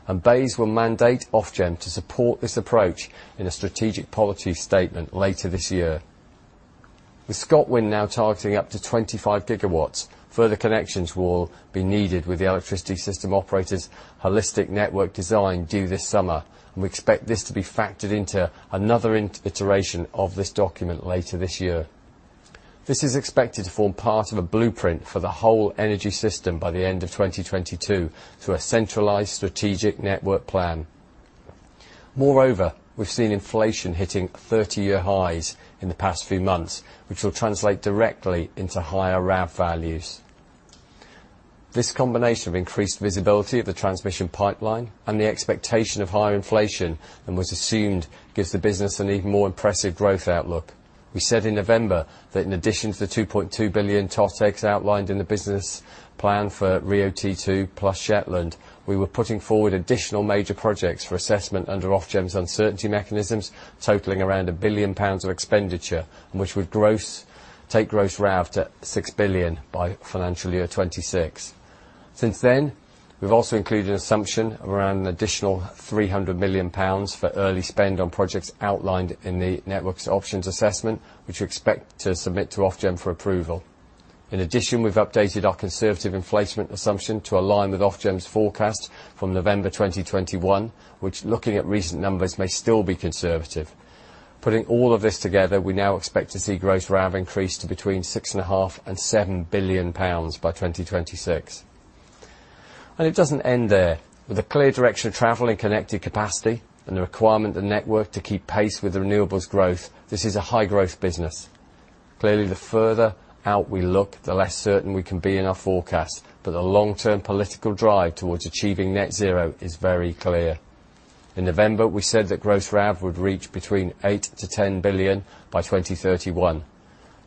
BEIS will mandate Ofgem to support this approach in a strategic policy statement later this year. With ScotWind now targeting up to 25 GWs, further connections will be needed with the electricity system operator's holistic network design due this summer, and we expect this to be factored into another iteration of this document later this year. This is expected to form part of a blueprint for the whole energy system by the end of 2022 through a centralized strategic network plan. Moreover, we've seen inflation hitting thirty-year highs in the past few months, which will translate directly into higher RAV values. This combination of increased visibility of the transmission pipeline and the expectation of higher inflation than was assumed gives the business an even more impressive growth outlook. We said in November that in addition to the 2.2 billion TOTEX outlined in the business plan for RIIO-T2 plus Shetland, we were putting forward additional major projects for assessment under Ofgem's uncertainty mechanisms, totaling around 1 billion pounds of expenditure, and which would take gross RAV to 6 billion by financial year 2026. Since then, we've also included an assumption of around an additional 300 million pounds for early spend on projects outlined in the networks options assessment, which we expect to submit to Ofgem for approval. In addition, we've updated our conservative inflation assumption to align with Ofgem's forecast from November 2021, which looking at recent numbers, may still be conservative. Putting all of this together, we now expect to see gross RAV increase to between 6.5 billion and 7 billion pounds by 2026. It doesn't end there. With a clear direction of travel in connected capacity and the requirement of the network to keep pace with the renewables growth, this is a high-growth business. Clearly, the further out we look, the less certain we can be in our forecast, but the long-term political drive towards achieving net zero is very clear. In November, we said that gross RAV would reach between 8 billion-10 billion by 2031.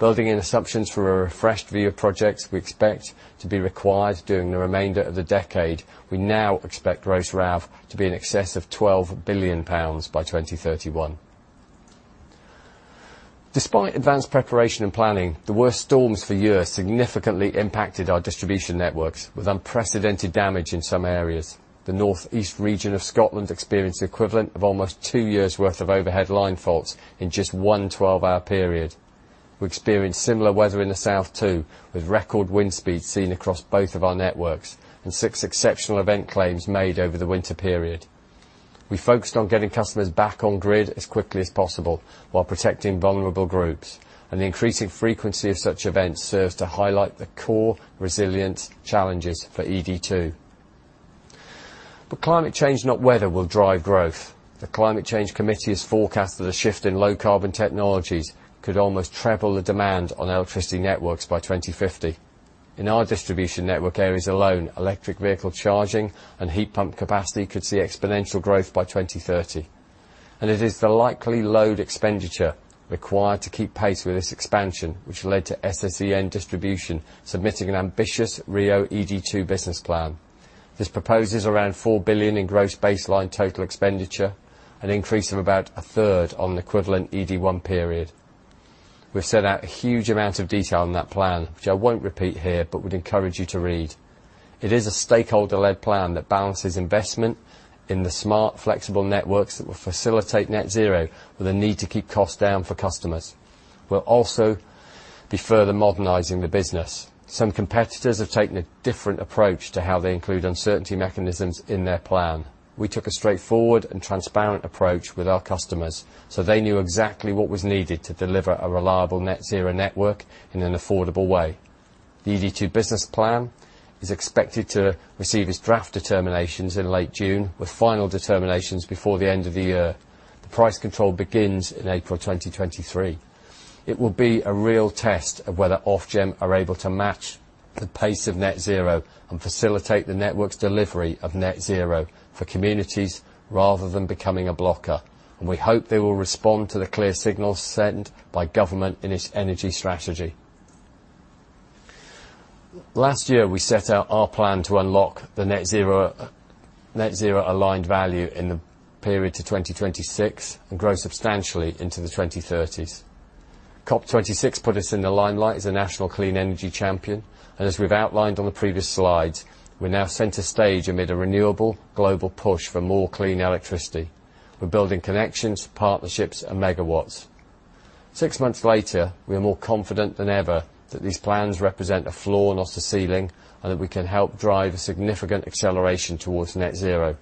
Building in assumptions for a refreshed view of projects we expect to be required during the remainder of the decade, we now expect gross RAV to be in excess of 12 billion pounds by 2031. Despite advanced preparation and planning, the worst storms for years significantly impacted our distribution networks with unprecedented damage in some areas. The northeast region of Scotland experienced the equivalent of almost two years' worth of overhead line faults in just one 12-hour period. We experienced similar weather in the south, too, with record wind speeds seen across both of our networks and six exceptional event claims made over the winter period. We focused on getting customers back on grid as quickly as possible while protecting vulnerable groups, and the increasing frequency of such events serves to highlight the core resilience challenges for ED2. Climate change, not weather, will drive growth. The Climate Change Committee has forecasted a shift in low-carbon technologies could almost treble the demand on electricity networks by 2050. In our distribution network areas alone, electric vehicle charging and heat pump capacity could see exponential growth by 2030. It is the likely load expenditure required to keep pace with this expansion, which led to SSEN Distribution submitting an ambitious RIIO-ED2 business plan. This proposes around 4 billion in gross baseline total expenditure, an increase of about a third on the equivalent ED1 period. We've set out a huge amount of detail on that plan, which I won't repeat here, but would encourage you to read. It is a stakeholder-led plan that balances investment in the smart, flexible networks that will facilitate net zero with the need to keep costs down for customers. We'll also be further modernizing the business. Some competitors have taken a different approach to how they include uncertainty mechanisms in their plan. We took a straightforward and transparent approach with our customers, so they knew exactly what was needed to deliver a reliable net zero network in an affordable way. The ED2 business plan is expected to receive its draft determinations in late June, with final determinations before the end of the year. The price control begins in April 2023. It will be a real test of whether Ofgem are able to match the pace of net zero and facilitate the network's delivery of net zero for communities rather than becoming a blocker. We hope they will respond to the clear signals sent by government in its energy strategy. Last year, we set out our plan to unlock the net zero, net zero aligned value in the period to 2026 and grow substantially into the 2030s. COP26 put us in the limelight as a national clean energy champion, and as we've outlined on the previous slides, we're now center stage amid a renewable global push for more clean electricity. We're building connections, partnerships, and MWs. Six months later, we are more confident than ever that these plans represent a floor, not a ceiling, and that we can help drive a significant acceleration towards net zero.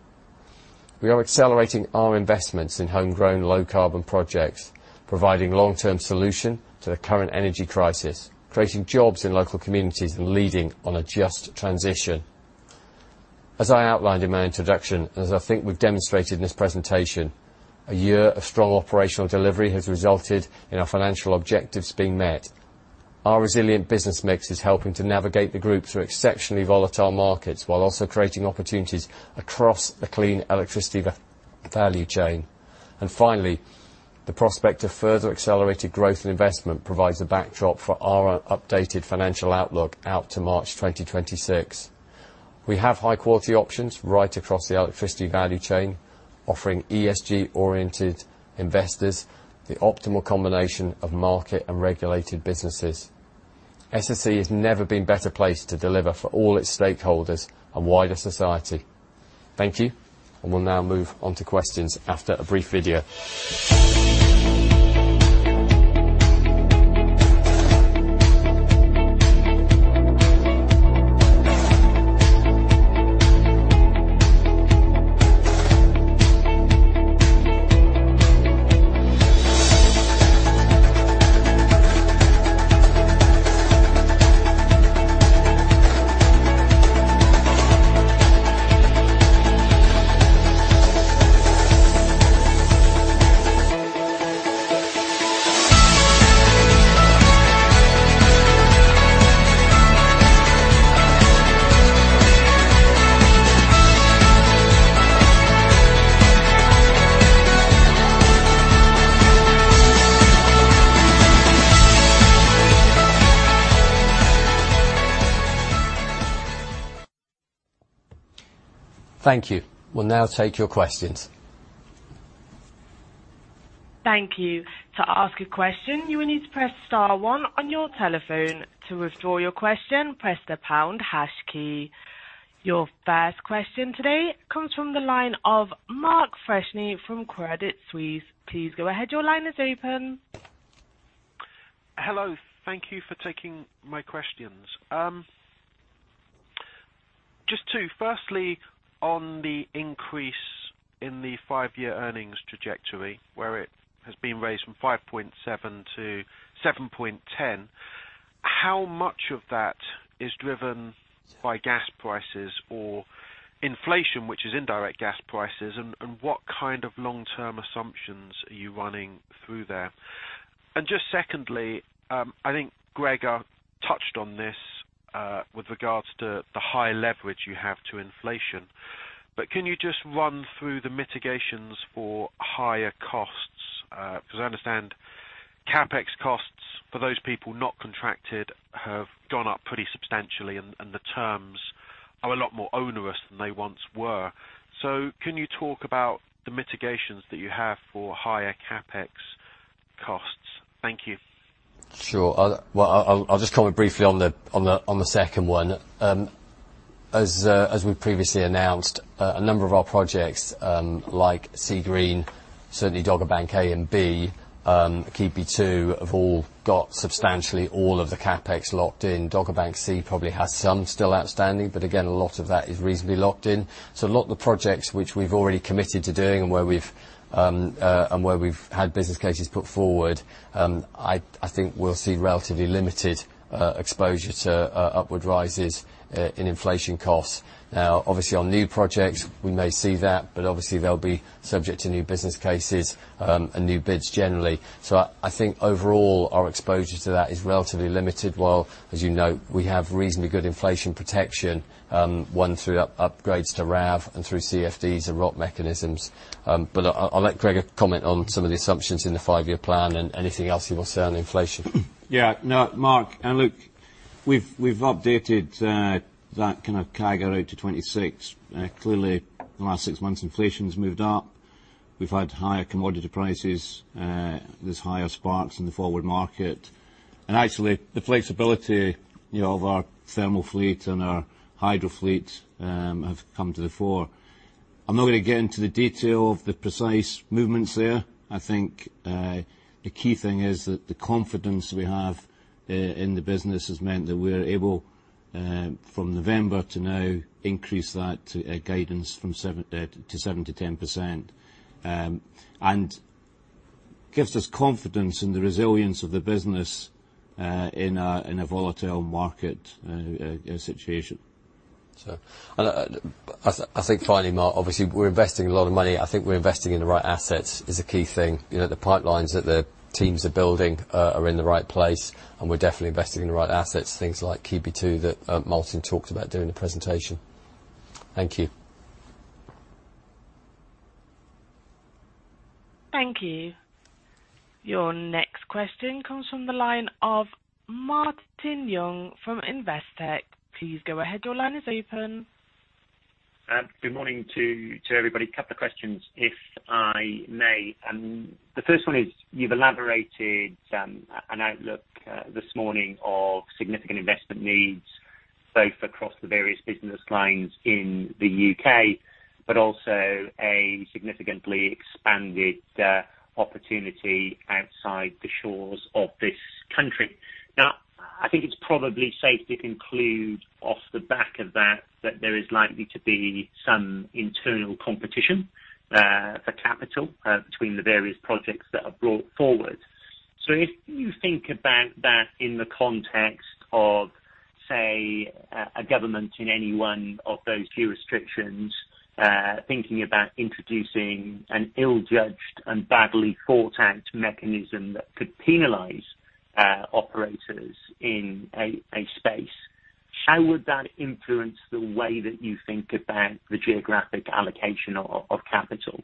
We are accelerating our investments in homegrown low-carbon projects, providing long-term solution to the current energy crisis, creating jobs in local communities, and leading on a just transition. As I outlined in my introduction, as I think we've demonstrated in this presentation, a year of strong operational delivery has resulted in our financial objectives being met. Our resilient business mix is helping to navigate the group through exceptionally volatile markets while also creating opportunities across the clean electricity value chain. Finally, the prospect of further accelerated growth and investment provides a backdrop for our updated financial outlook out to March 2026. We have high-quality options right across the electricity value chain, offering ESG-oriented investors the optimal combination of market and regulated businesses. SSE has never been better placed to deliver for all its stakeholders and wider society. Thank you. We will now move on to questions after a brief video. Thank you. We'll now take your questions.
Thank you. To ask a question, you will need to press star one on your telephone. To withdraw your question, press the pound hash key. Your first question today comes from the line of Mark Freshney from Credit Suisse. Please go ahead. Your line is open.
Hello. Thank you for taking my questions. Just two. Firstly, on the increase in the five-year earnings trajectory, where it has been raised from five point seven to seven point ten, how much of that is driven by gas prices or inflation, which is indirect gas prices, and what kind of long-term assumptions are you running through there? Just secondly, I think Gregor touched on this, with regards to the high leverage you have to inflation, but can you just run through the mitigations for higher costs? Because I understand CapEx costs for those people not contracted have gone up pretty substantially and the terms are a lot more onerous than they once were. Can you talk about the mitigations that you have for higher CapEx costs? Thank you.
Sure. Well, I'll just comment briefly on the second one. As we previously announced, a number of our projects, like Seagreen, certainly Dogger Bank A and B, Kipevu have all got substantially all of the CapEx locked in. Dogger Bank C probably has some still outstanding, but again, a lot of that is reasonably locked in. A lot of the projects which we've already committed to doing and where we've had business cases put forward, I think we'll see relatively limited exposure to upward rises in inflation costs. Now, obviously on new projects, we may see that, but obviously they'll be subject to new business cases and new bids generally. I think overall, our exposure to that is relatively limited, while, as you know, we have reasonably good inflation protection, one through upgrades to RAV and throughmechanisms. But I'll let Gregor comment on some of the assumptions in the five-year plan and anything else you want to say on inflation.
Yeah. No, Mark, look, we've updated that kind of CAGR out to 2026. Clearly the last six months, inflation's moved up. We've had higher commodity prices. There's higher spark spreads in the forward market. Actually, the flexibility, you know, of our thermal fleet and our hydro fleet have come to the fore. I'm not gonna get into the detail of the precise movements there. I think the key thing is that the confidence we have in the business has meant that we're able from November to now increase that to a guidance from seven to 7%-10%, and gives us confidence in the resilience of the business in a volatile market situation.
I think finally, Mark, obviously we're investing a lot of money. I think we're investing in the right assets is a key thing. You know, the pipelines that the teams are building are in the right place, and we're definitely investing in the right assets, things like Keadby that Martin talked about during the presentation. Thank you.
Thank you. Your next question comes from the line of Martin Young from Investec. Please go ahead. Your line is open.
Good morning to everybody. A couple of questions, if I may. The first one is you've elaborated an outlook this morning of significant investment needs, both across the various business lines in the U.K., but also a significantly expanded opportunity outside the shores of this country. Now, I think it's probably safe to conclude off the back of that there is likely to be some internal competition for capital between the various projects that are brought forward. If you think about that in the context of, say, a government in any one of those few restrictions thinking about introducing an ill-judged and badly thought-out mechanism that could penalize operators in a space, how would that influence the way that you think about the geographic allocation of capital?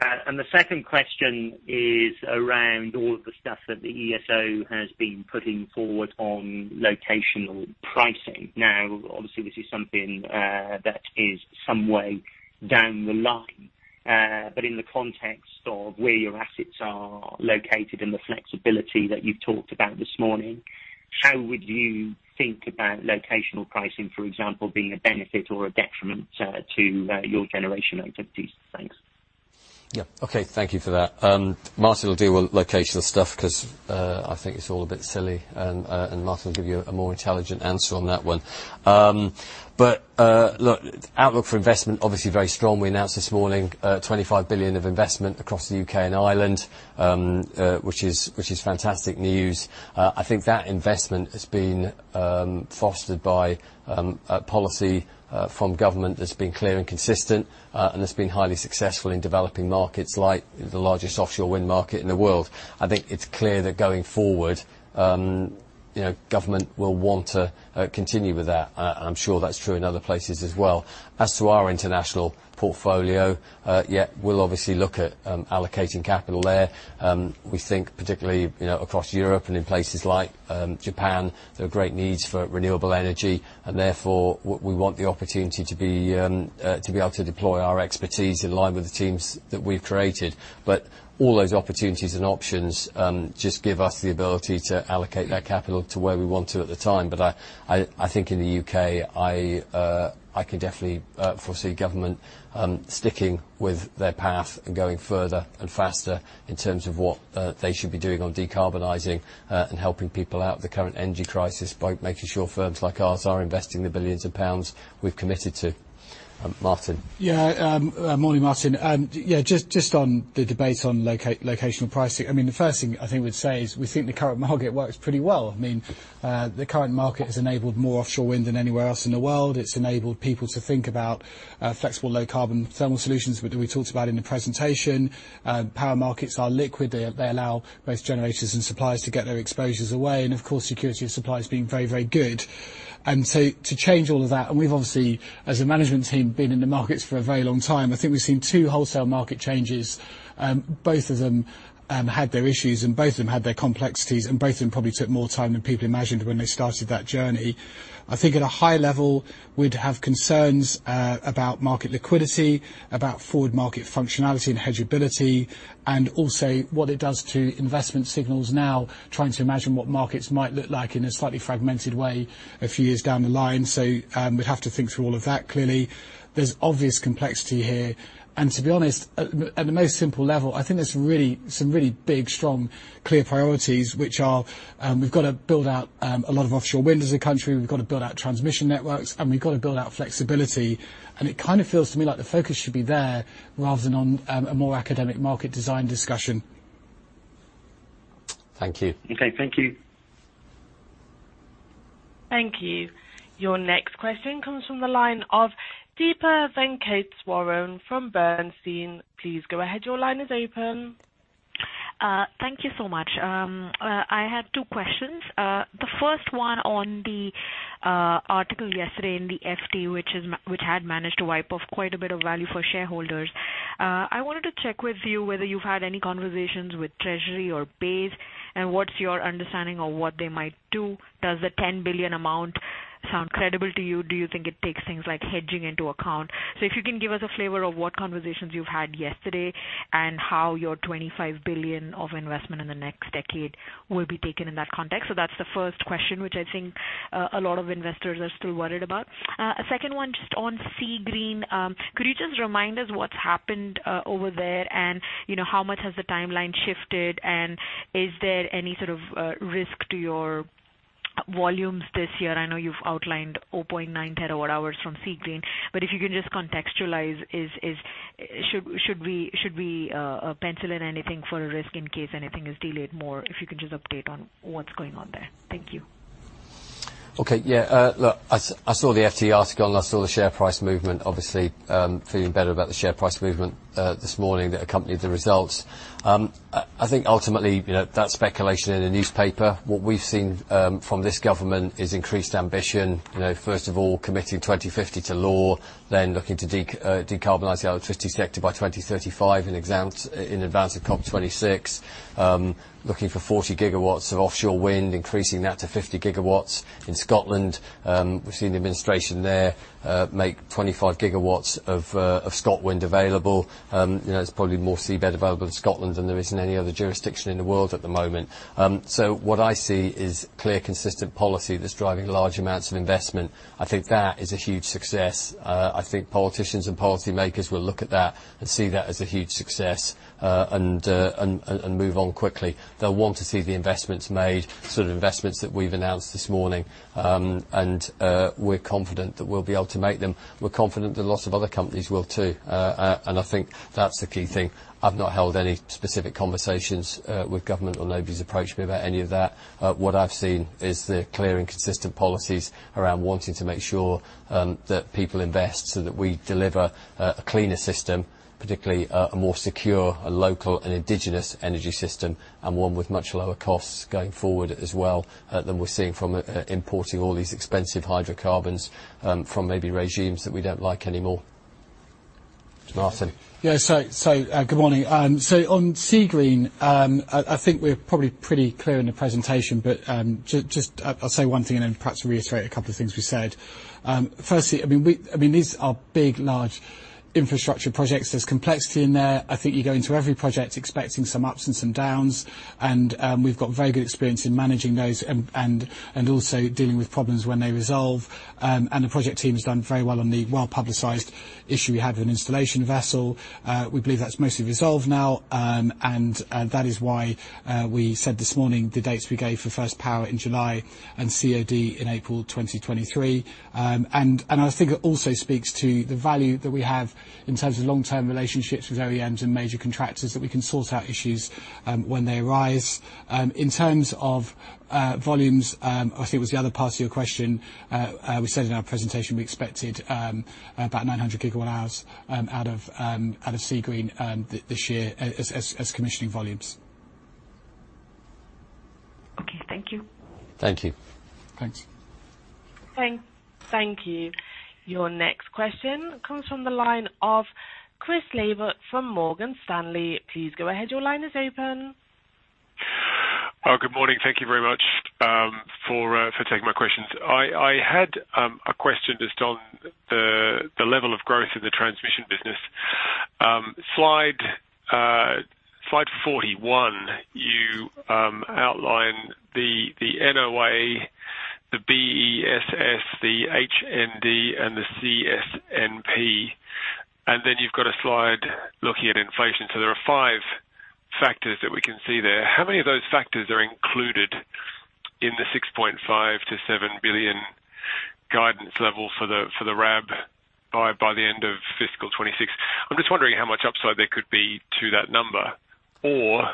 The second question is around all of the stuff that the ESO has been putting forward on locational pricing. Now, obviously, this is something that is some way down the line. In the context of where your assets are located and the flexibility that you've talked about this morning, how would you think about locational pricing, for example, being a benefit or a detriment to your generation activities? Thanks.
Yeah. Okay, thank you for that. Martin will deal with locational stuff 'cause I think it's all a bit silly. Martin will give you a more intelligent answer on that one. Look, outlook for investment, obviously very strong. We announced this morning, 25 billion of investment across the U.K. and Ireland, which is fantastic news. I think that investment has been fostered by policy from government that's been clear and consistent, and that's been highly successful in developing markets, like the largest offshore wind market in the world. I think it's clear that going forward, you know, government will want to continue with that. I'm sure that's true in other places as well. As to our international portfolio, yeah, we'll obviously look at allocating capital there. We think particularly, you know, across Europe and in places like Japan, there are great needs for renewable energy, and therefore we want the opportunity to be able to deploy our expertise in line with the teams that we've created. All those opportunities and options just give us the ability to allocate that capital to where we want to at the time. I think in the U.K., I can definitely foresee government sticking with their path and going further and faster in terms of what they should be doing on decarbonizing and helping people out with the current energy crisis by making sure firms like ours are investing the billions of GBP we've committed to. Martin.
Yeah, morning, Martin. Yeah, just on the debate on locational pricing. I mean, the first thing I think we'd say is we think the current market works pretty well. I mean, the current market has enabled more offshore wind than anywhere else in the world. It's enabled people to think about flexible low carbon thermal solutions that we talked about in the presentation. Power markets are liquid. They allow both generators and suppliers to get their exposures away. Of course, security of supply is being very, very good. To change all of that. We've obviously, as a management team, been in the markets for a very long time. I think we've seen two wholesale market changes. Both of them had their issues, and both of them had their complexities, and both of them probably took more time than people imagined when they started that journey. I think at a high level, we'd have concerns about market liquidity, about forward market functionality and hedgability, and also what it does to investment signals now, trying to imagine what markets might look like in a slightly fragmented way a few years down the line. We'd have to think through all of that. Clearly there's obvious complexity here, and to be honest, at the most simple level, I think there's really big, strong, clear priorities, which are, we've gotta build out a lot of offshore wind as a country, we've gotta build out transmission networks, and we've gotta build out flexibility. It kinda feels to me like the focus should be there rather than on a more academic market design discussion.
Thank you.
Okay, thank you.
Thank you. Your next question comes from the line of Deepa Venkateswaran from Bernstein. Please go ahead. Your line is open.
Thank you so much. I had two questions. The first one on the article yesterday in the FT, which had managed to wipe off quite a bit of value for shareholders. I wanted to check with you whether you've had any conversations with Treasury or BEIS, and what's your understanding of what they might do. Does the 10 billion amount sound credible to you? Do you think it takes things like hedging into account? If you can give us a flavor of what conversations you've had yesterday, and how your 25 billion of investment in the next decade will be taken in that context. That's the first question, which I think a lot of investors are still worried about. A second one, just on Seagreen. Could you just remind us what's happened over there and, you know, how much has the timeline shifted, and is there any sort of risk to your volumes this year? I know you've outlined zero point nine terawatt hours from Seagreen, but if you can just contextualize, should we pencil in anything for a risk in case anything is delayed more? If you can just update on what's going on there. Thank you.
Okay. Yeah. Look, I saw the FT article and I saw the share price movement. Obviously, feeling better about the share price movement this morning that accompanied the results. I think ultimately, you know, that's speculation in the newspaper. What we've seen from this government is increased ambition. You know, first of all committing 2050 to law, then looking to decarbonize the electricity sector by 2035 in advance of COP26. Looking for 40 GWs of offshore wind, increasing that to 50 GWs. In Scotland, we've seen the administration there make 25 GWs of ScotWind available. You know, there's probably more seabed available in Scotland than there is in any other jurisdiction in the world at the moment. What I see is clear, consistent policy that's driving large amounts of investment. I think that is a huge success. I think politicians and policymakers will look at that and see that as a huge success, and move on quickly. They'll want to see the investments made, sort of investments that we've announced this morning. We're confident that we'll be able to make them. We're confident that lots of other companies will too. I think that's the key thing. I've not held any specific conversations with government or nobody's approached me about any of that. What I've seen is the clear and consistent policies around wanting to make sure that people invest so that we deliver a cleaner system, particularly a more secure, local and indigenous energy system, and one with much lower costs going forward as well than we're seeing from importing all these expensive hydrocarbons from maybe regimes that we don't like anymore. Martin?
Good morning. On Seagreen, I think we're probably pretty clear in the presentation, but I'll just say one thing and then perhaps reiterate a couple of things we said. Firstly, these are big, large infrastructure projects. There's complexity in there. I think you go into every project expecting some ups and some downs, and we've got very good experience in managing those and also dealing with problems when they arise. The project team has done very well on the well-publicized issue we had with an installation vessel. We believe that's mostly resolved now. That is why we said this morning the dates we gave for first power in July and COD in April 2023. I think it also speaks to the value that we have in terms of long-term relationships with OEMs and major contractors that we can sort out issues when they arise. In terms of volumes, I think was the other part to your question, we said in our presentation we expected about 900 GWh out of Sea Green this year as commissioning volumes.
Okay, thank you.
Thank you.
Thanks.
Thank you. Your next question comes from the line of Chris Laybutt from Morgan Stanley. Please go ahead. Your line is open.
Good morning. Thank you very much for taking my questions. I had a question just on the level of growth in the transmission business. Slide 41, you outline the NOA, the BESS, the HND, and the CSNP, and then you've got a slide looking at inflation. There are five factors that we can see there. How many of those factors are included in the 6.5 billion-7 billion guidance level for the RAB by the end of fiscal 2026? I'm just wondering how much upside there could be to that number. Or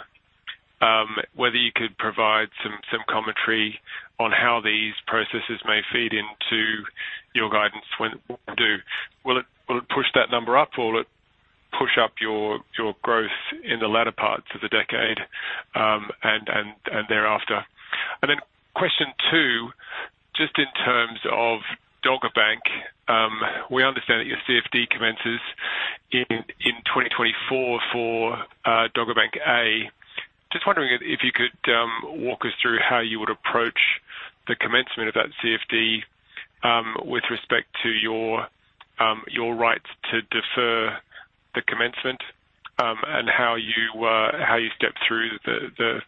whether you could provide some commentary on how these processes may feed into your guidance when due. Will it push that number up or will it push up your growth in the latter parts of the decade, and thereafter? Question two, just in terms of Dogger Bank, we understand that your CFD commences in 2024 for Dogger Bank A. Just wondering if you could walk us through how you would approach the commencement of that CFD with respect to your rights to defer the commencement, and how you step through the,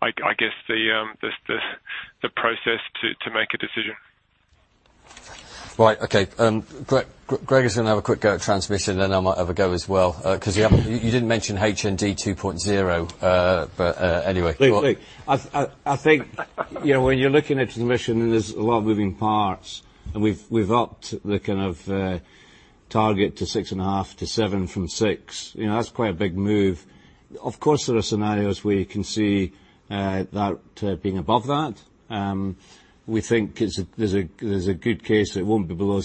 I guess the process to make a decision.
Right. Okay. Greg is gonna have a quick go at transmission, then I might have a go as well, 'cause you haven't. You didn't mention HND 2.0. But, anyway.
Gregor, I think, you know, when you're looking at transmission, there's a lot of moving parts. We've upped the kind of target to six and half to seven from six. You know, that's quite a big move. Of course, there are scenarios where you can see that being above that. We think there's a good case that it won't be below.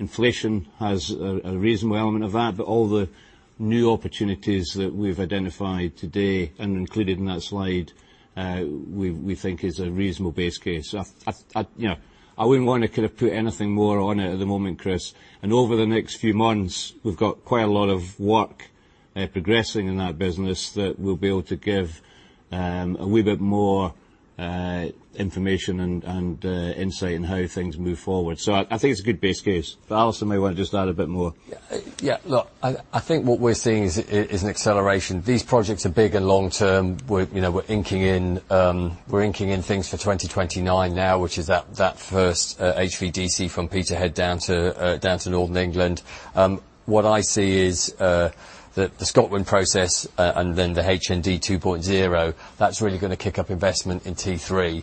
Inflation has a reasonable element of that, but all the new opportunities that we've identified today and included in that slide, we think is a reasonable base case. I... You know, I wouldn't wanna kinda put anything more on it at the moment, Chris. Over the next few months, we've got quite a lot of work progressing in that business that we'll be able to give a wee bit more information and insight in how things move forward. I think it's a good base case. Alistair may wanna just add a bit more.
Yeah. Look, I think what we're seeing is an acceleration. These projects are big and long-term. You know, we're inking in things for 2029 now, which is that first HVDC from Peterhead down to northern England. What I see is the Scotland process and then the HND 2.0, that's really gonna kick up investment in T3.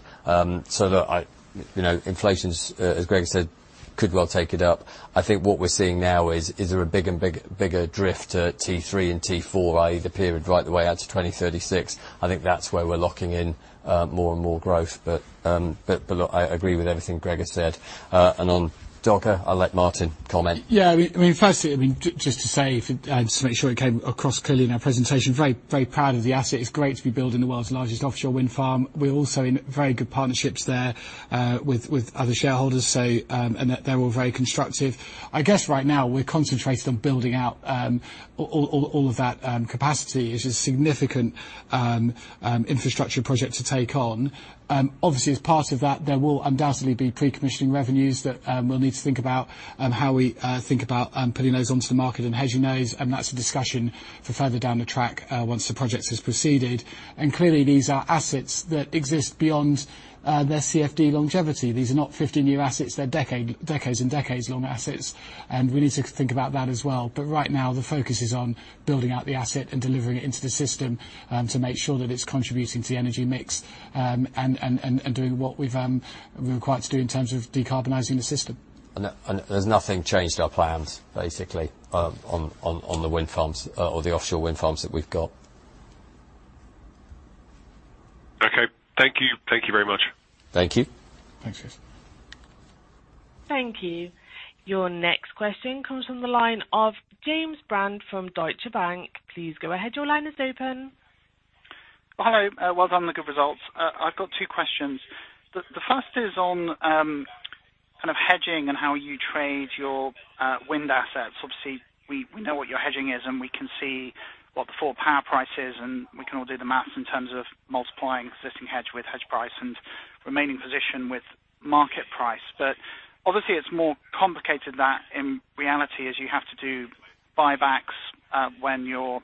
Look, you know, inflation's as Greg said could well take it up. I think what we're seeing now is a bigger drift to T3 and T4, i.e., the period right the way out to 2036. I think that's where we're locking in more and more growth. Look, I agree with everything Greg has said. On Dogger, I'll let Martin comment.
I mean, firstly, I mean, just to say if it came across clearly in our presentation, very, very proud of the asset. It's great to be building the world's largest offshore wind farm. We're also in very good partnerships there with other shareholders, so that they're all very constructive. I guess right now we're concentrated on building out all of that capacity. It is a significant infrastructure project to take on. Obviously as part of that, there will undoubtedly be pre-commissioning revenues that we'll need to think about how we think about putting those onto the market and hedging those, and that's a discussion for further down the track once the project has proceeded. Clearly, these are assets that exist beyond their CFD longevity. These are not 15-year assets. They're decades-long assets, and we need to think about that as well. But right now, the focus is on building out the asset and delivering it into the system, to make sure that it's contributing to the energy mix, and doing what we're required to do in terms of decarbonizing the system.
There's nothing changed in our plans, basically, on the wind farms or the offshore wind farms that we've got.
Okay. Thank you. Thank you very much.
Thank you.
Thanks, Chris.
Thank you. Your next question comes from the line of James Brand from Deutsche Bank. Please go ahead. Your line is open.
Well, hello. Well done on the good results. I've got two questions. The first is on kind of hedging and how you trade your wind assets. Obviously, we know what your hedging is, and we can see what the forward power price is, and we can all do the math in terms of multiplying existing hedge with hedge price and remaining position with market price. Obviously it's more complicated than in reality as you have to do buybacks when your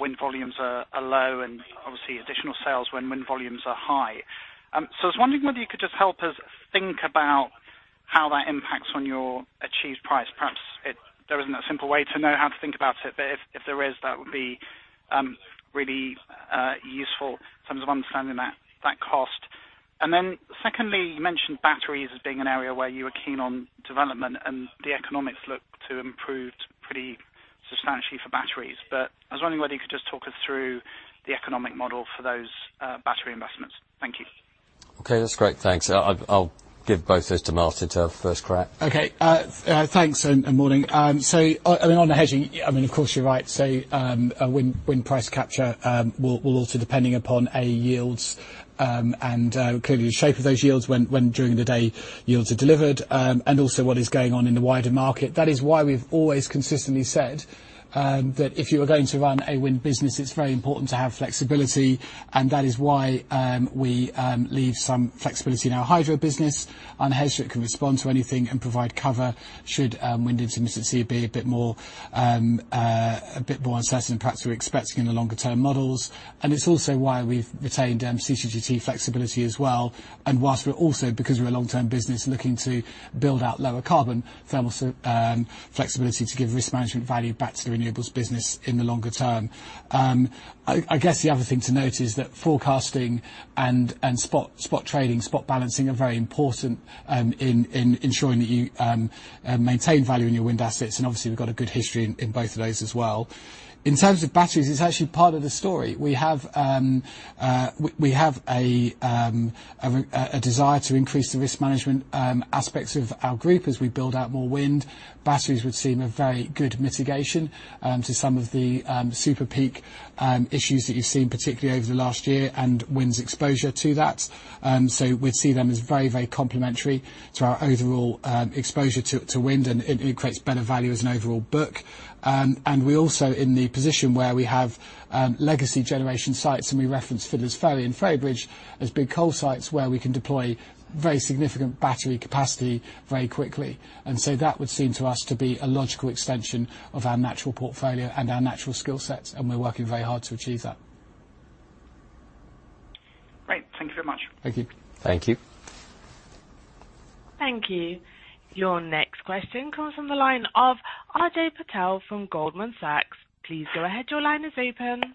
wind volumes are low and obviously additional sales when wind volumes are high. I was wondering whether you could just help us think about how that impacts on your achieved price. There isn't a simple way to know how to think about it, but if there is, that would be really useful in terms of understanding that cost. Secondly, you mentioned batteries as being an area where you were keen on development, and the economics look to improve pretty substantially for batteries. I was wondering whether you could just talk us through the economic model for those battery investments. Thank you.
Okay, that's great. Thanks. I'll give both those to Martin to have first crack.
Okay. Thanks and morning. I mean, on the hedging, I mean, of course you're right. Wind price capture will also depend upon yields, and clearly the shape of those yields when, during the day yields are delivered, and also what is going on in the wider market. That is why we've always consistently said that if you are going to run a wind business, it's very important to have flexibility, and that is why we leave some flexibility in our hydro business. Unhedged, it can respond to anything and provide cover should wind intermittency be a bit more uncertain perhaps than we're expecting in the longer term models. It's also why we've retained CCGT flexibility as well. While we're also, because we're a long-term business looking to build out lower carbon thermal flexibility to give risk management value back to the renewables business in the longer term. I guess the other thing to note is that forecasting and spot trading, spot balancing are very important in ensuring that you maintain value in your wind assets. Obviously we've got a good history in both of those as well. In terms of batteries, it's actually part of the story. We have a desire to increase the risk management aspects of our group as we build out more wind. Batteries would seem a very good mitigation to some of the super peak issues that you've seen particularly over the last year and wind's exposure to that. We'd see them as very, very complementary to our overall exposure to wind and it creates better value as an overall book. We're also in the position where we have legacy generation sites, and we reference Fiddler's Ferry and Ferrybridge as big coal sites where we can deploy very significant battery capacity very quickly. That would seem to us to be a logical extension of our natural portfolio and our natural skill sets, and we're working very hard to achieve that.
Great. Thank you very much.
Thank you.
Thank you.
Thank you. Your next question comes from the line of Ajay Patel from Goldman Sachs. Please go ahead. Your line is open.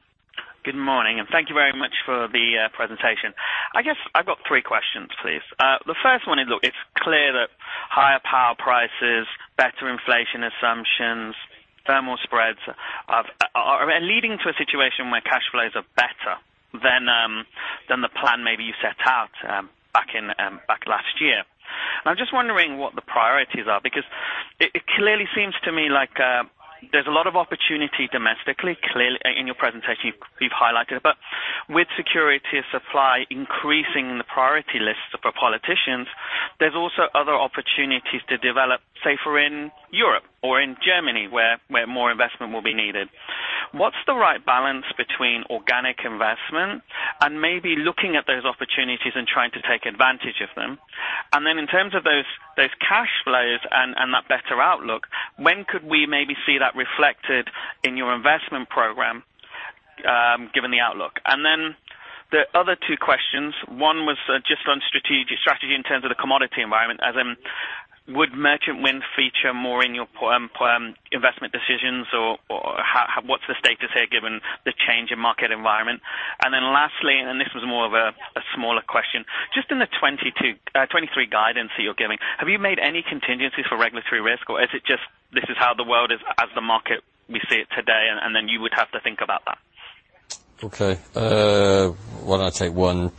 Good morning, and thank you very much for the presentation. I guess I've got three questions, please. The first one is, look, it's clear that higher power prices, better inflation assumptions, thermal spreads are leading to a situation where cash flows are better than the plan maybe you set out back in back last year. I'm just wondering what the priorities are because it clearly seems to me like there's a lot of opportunity domestically. Clearly in your presentation you've highlighted it. With security of supply increasing in the priority lists for politicians, there's also other opportunities to develop, say, for instance in Europe or in Germany where more investment will be needed. What's the right balance between organic investment and maybe looking at those opportunities and trying to take advantage of them? In terms of those cash flows and that better outlook, when could we maybe see that reflected in your investment program, given the outlook? The other two questions, one was just on strategy in terms of the commodity environment. As in, would merchant wind feature more in your portfolio investment decisions or how? What's the status here given the change in market environment? Lastly, this was more of a smaller question. Just in the 2022-2023 guidance that you're giving, have you made any contingencies for regulatory risk or is it just this is how the world is as the market we see it today and then you would have to think about that?
Okay. Why don't I take one,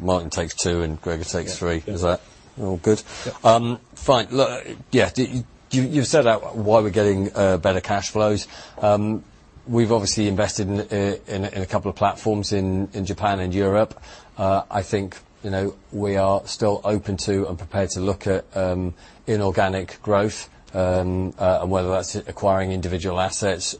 Martin takes two, and Gregor takes three.
Yeah.
Is that all good?
Yeah.
Fine. Look, yeah, you've set out why we're getting better cash flows. We've obviously invested in a couple of platforms in Japan and Europe. I think, you know, we are still open to and prepared to look at inorganic growth, and whether that's acquiring individual assets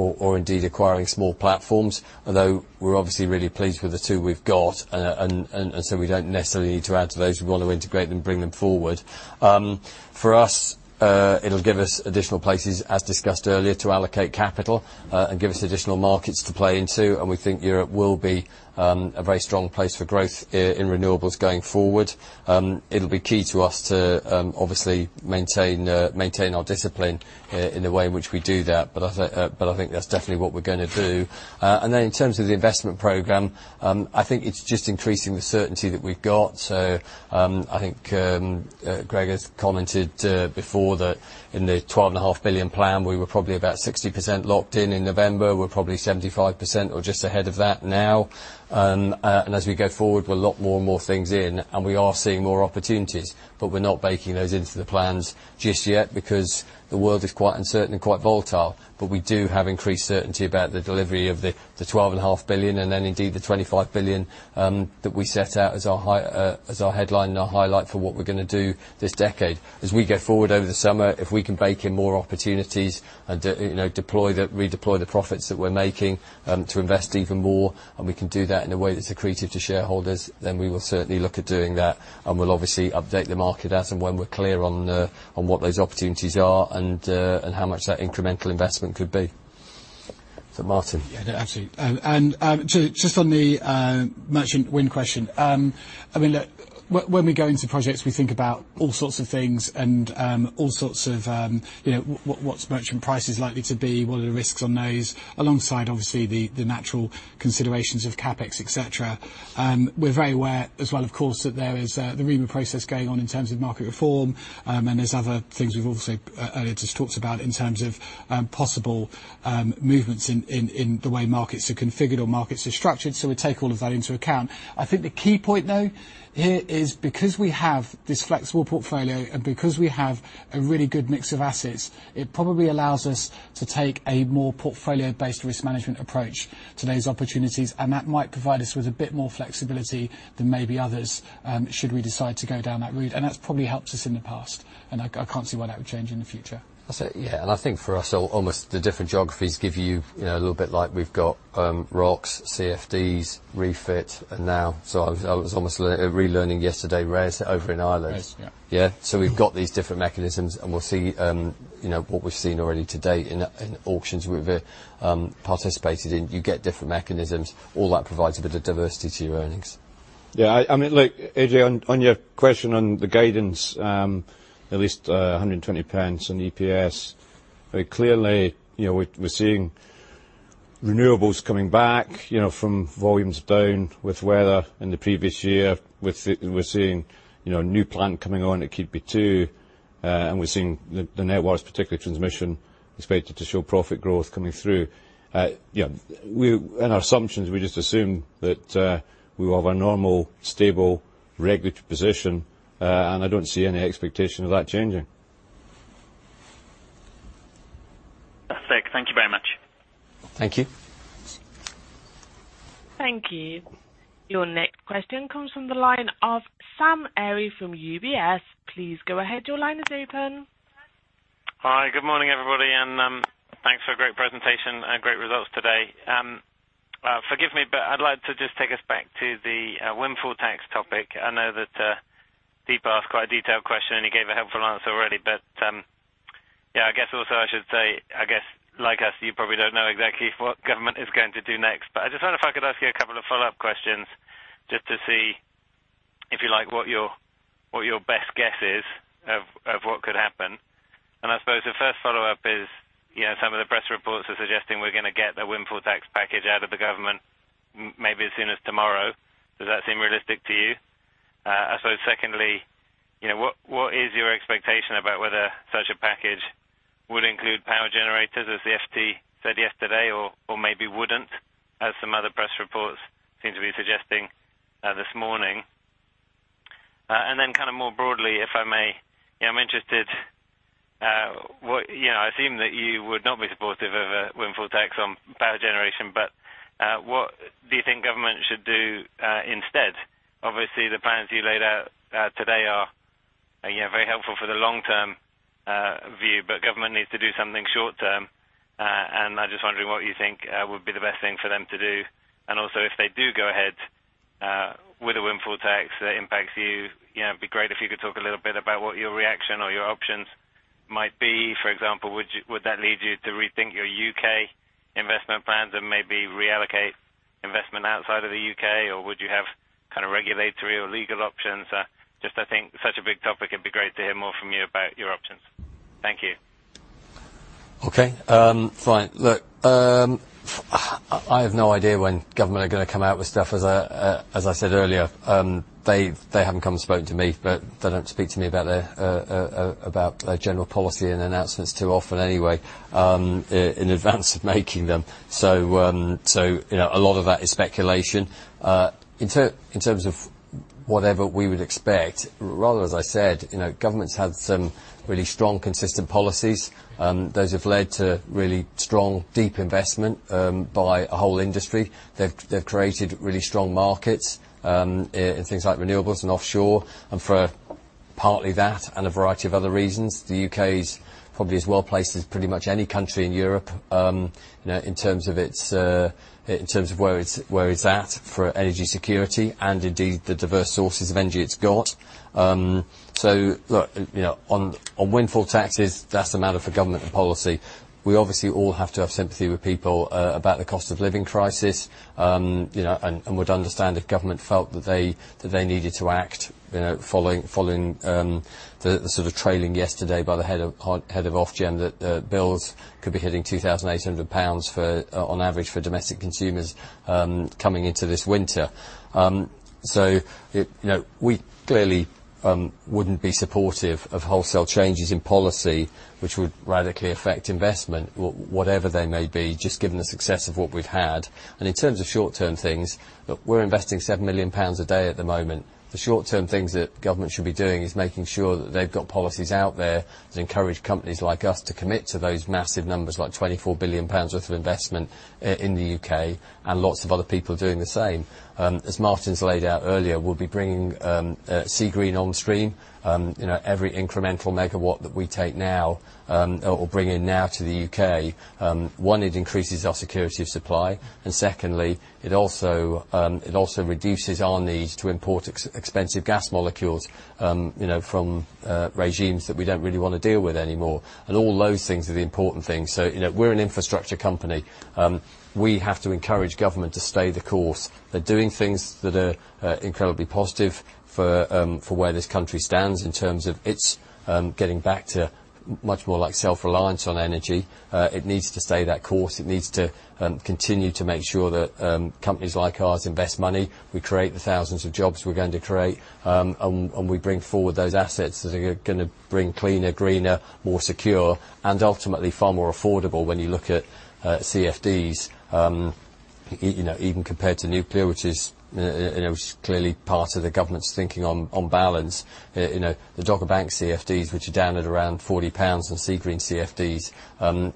or indeed acquiring small platforms, although we're obviously really pleased with the two we've got. We don't necessarily need to add to those. We want to integrate them, bring them forward. For us, it'll give us additional places, as discussed earlier, to allocate capital, and give us additional markets to play into, and we think Europe will be a very strong place for growth in renewables going forward. It'll be key to us to obviously maintain our discipline in the way in which we do that. I think that's definitely what we're gonna do. In terms of the investment program, I think it's just increasing the certainty that we've got. I think Gregor's commented before that in the 12.5 billion plan, we were probably about 60% locked in. In November, we're probably 75% or just ahead of that now. As we go forward with a lot more and more things in, and we are seeing more opportunities, but we're not baking those into the plans just yet because the world is quite uncertain and quite volatile. We do have increased certainty about the delivery of the 12.5 billion, and then indeed the 25 billion, that we set out as our headline and our highlight for what we're gonna do this decade. As we go forward over the summer, if we can bake in more opportunities and you know, redeploy the profits that we're making, to invest even more, and we can do that in a way that's accretive to shareholders, then we will certainly look at doing that, and we'll obviously update the market as and when we're clear on what those opportunities are and how much that incremental investment could be. So Martin.
Yeah, no, absolutely. Just on the merchant wind question. I mean, look, when we go into projects, we think about all sorts of things and all sorts of, you know, what's merchant price likely to be? What are the risks on those? Alongside, obviously the natural considerations of CapEx, et cetera. We're very aware as well, of course, that there is the REMA process going on in terms of market reform, and there's other things we've also earlier just talked about in terms of possible movements in the way markets are configured or markets are structured, so we take all of that into account. I think the key point, though, here is because we have this flexible portfolio and because we have a really good mix of assets, it probably allows us to take a more portfolio-based risk management approach to those opportunities, and that might provide us with a bit more flexibility than maybe others, should we decide to go down that route. That's probably helped us in the past, and I can't see why that would change in the future.
That's it, yeah. I think for us, almost the different geographies give you know, a little bit like we've got, ROCs, CFDs, REFIT, and now I was almost relearning yesterday, RES over in Ireland.
RES, yeah.
Yeah. We've got these different mechanisms and we'll see, you know, what we've seen already to date in auctions we've participated in. You get different mechanisms. All that provides a bit of diversity to your earnings.
Yeah, I mean, look, Ajay, on your question on the guidance, at least 1.20 on EPS, very clearly, you know, we're seeing renewables coming back, you know, from volumes down with weather in the previous year. We're seeing, you know, new plant coming on at Keadby 2, and we're seeing the networks, particularly transmission, expected to show profit growth coming through. In our assumptions, we just assume that we have a normal, stable regulatory position, and I don't see any expectation of that changing.
That's it. Thank you very much.
Thank you.
Thank you. Your next question comes from the line of Sam Arie from UBS. Please go ahead. Your line is open.
Hi. Good morning, everybody, and thanks for a great presentation and great results today. Forgive me, but I'd like to just take us back to the windfall tax topic. I know that Deepa asked quite a detailed question, and he gave a helpful answer already. Yeah, I guess also I should say, I guess like us, you probably don't know exactly what government is going to do next. I just wonder if I could ask you a couple of follow-up questions just to see, if you like, what your best guess is of what could happen. I suppose the first follow-up is, you know, some of the press reports are suggesting we're gonna get the windfall tax package out of the government maybe as soon as tomorrow. Does that seem realistic to you? I suppose secondly, you know, what is your expectation about whether such a package would include power generators, as the FT said yesterday or maybe wouldn't, as some other press reports seem to be suggesting this morning? Then kind of more broadly, if I may, you know, I'm interested. You know, I assume that you would not be supportive of a windfall tax on power generation. What do you think government should do instead? Obviously, the plans you laid out today are, you know, very helpful for the long-term view. Government needs to do something short-term. I'm just wondering what you think would be the best thing for them to do. Also, if they do go ahead with a windfall tax that impacts you know, it'd be great if you could talk a little bit about what your reaction or your options might be. For example, would that lead you to rethink your U.K. investment plans and maybe reallocate investment outside of the U.K., or would you have kind of regulatory or legal options? Just, I think such a big topic, it'd be great to hear more from you about your options. Thank you.
I have no idea when government are gonna come out with stuff as I said earlier. They haven't come and spoken to me, but they don't speak to me about their general policy and announcements too often anyway, in advance of making them. You know, a lot of that is speculation. In terms of whatever we would expect, rather as I said, you know, government's had some really strong, consistent policies. Those have led to really strong, deep investment by a whole industry. They've created really strong markets in things like renewables and offshore. For partly that and a variety of other reasons, the U.K.'s probably as well placed as pretty much any country in Europe, you know, in terms of where it's at for energy security and indeed the diverse sources of energy it's got. So look, you know, on windfall taxes, that's a matter for government and policy. We obviously all have to have sympathy with people about the cost of living crisis, you know, and would understand if government felt that they needed to act, you know, following the sort of warning yesterday by the head of Ofgem, that bills could be hitting 2,800 pounds on average for domestic consumers coming into this winter. It, you know, we clearly wouldn't be supportive of wholesale changes in policy which would radically affect investment, whatever they may be, just given the success of what we've had. In terms of short-term things, look, we're investing 7 million pounds a day at the moment. The short-term things that government should be doing is making sure that they've got policies out there to encourage companies like us to commit to those massive numbers, like 24 billion pounds worth of investment in the U.K. and lots of other people doing the same. As Martin's laid out earlier, we'll be bringing Seagreen on stream. You know, every incremental megawatt that we take now, or bring in now to the U.K., one, it increases our security of supply, and secondly, it also reduces our need to import expensive gas molecules, you know, from regimes that we don't really wanna deal with anymore. All those things are the important things. You know, we're an infrastructure company. We have to encourage government to stay the course. They're doing things that are incredibly positive for where this country stands in terms of its getting back to much more like self-reliance on energy. It needs to stay that course. It needs to continue to make sure that companies like ours invest money, we create the thousands of jobs we're going to create, and we bring forward those assets that are gonna bring cleaner, greener, more secure, and ultimately far more affordable when you look at CFDs, you know, even compared to nuclear, which is, you know, which is clearly part of the government's thinking on balance. You know, the Dogger Bank CFDs, which are down at around 40 pounds, and Seagreen CFDs,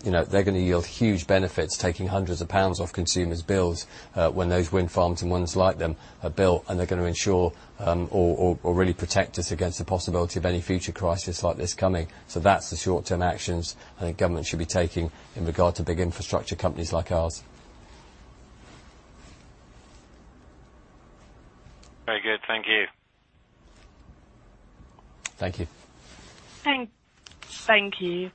you know, they're gonna yield huge benefits, taking hundreds of GBP off consumers' bills, when those wind farms and ones like them are built. They're gonna ensure or really protect us against the possibility of any future crisis like this coming. That's the short-term actions I think government should be taking in regard to big infrastructure companies like ours.
Very good. Thank you.
Thank you.
Thank you.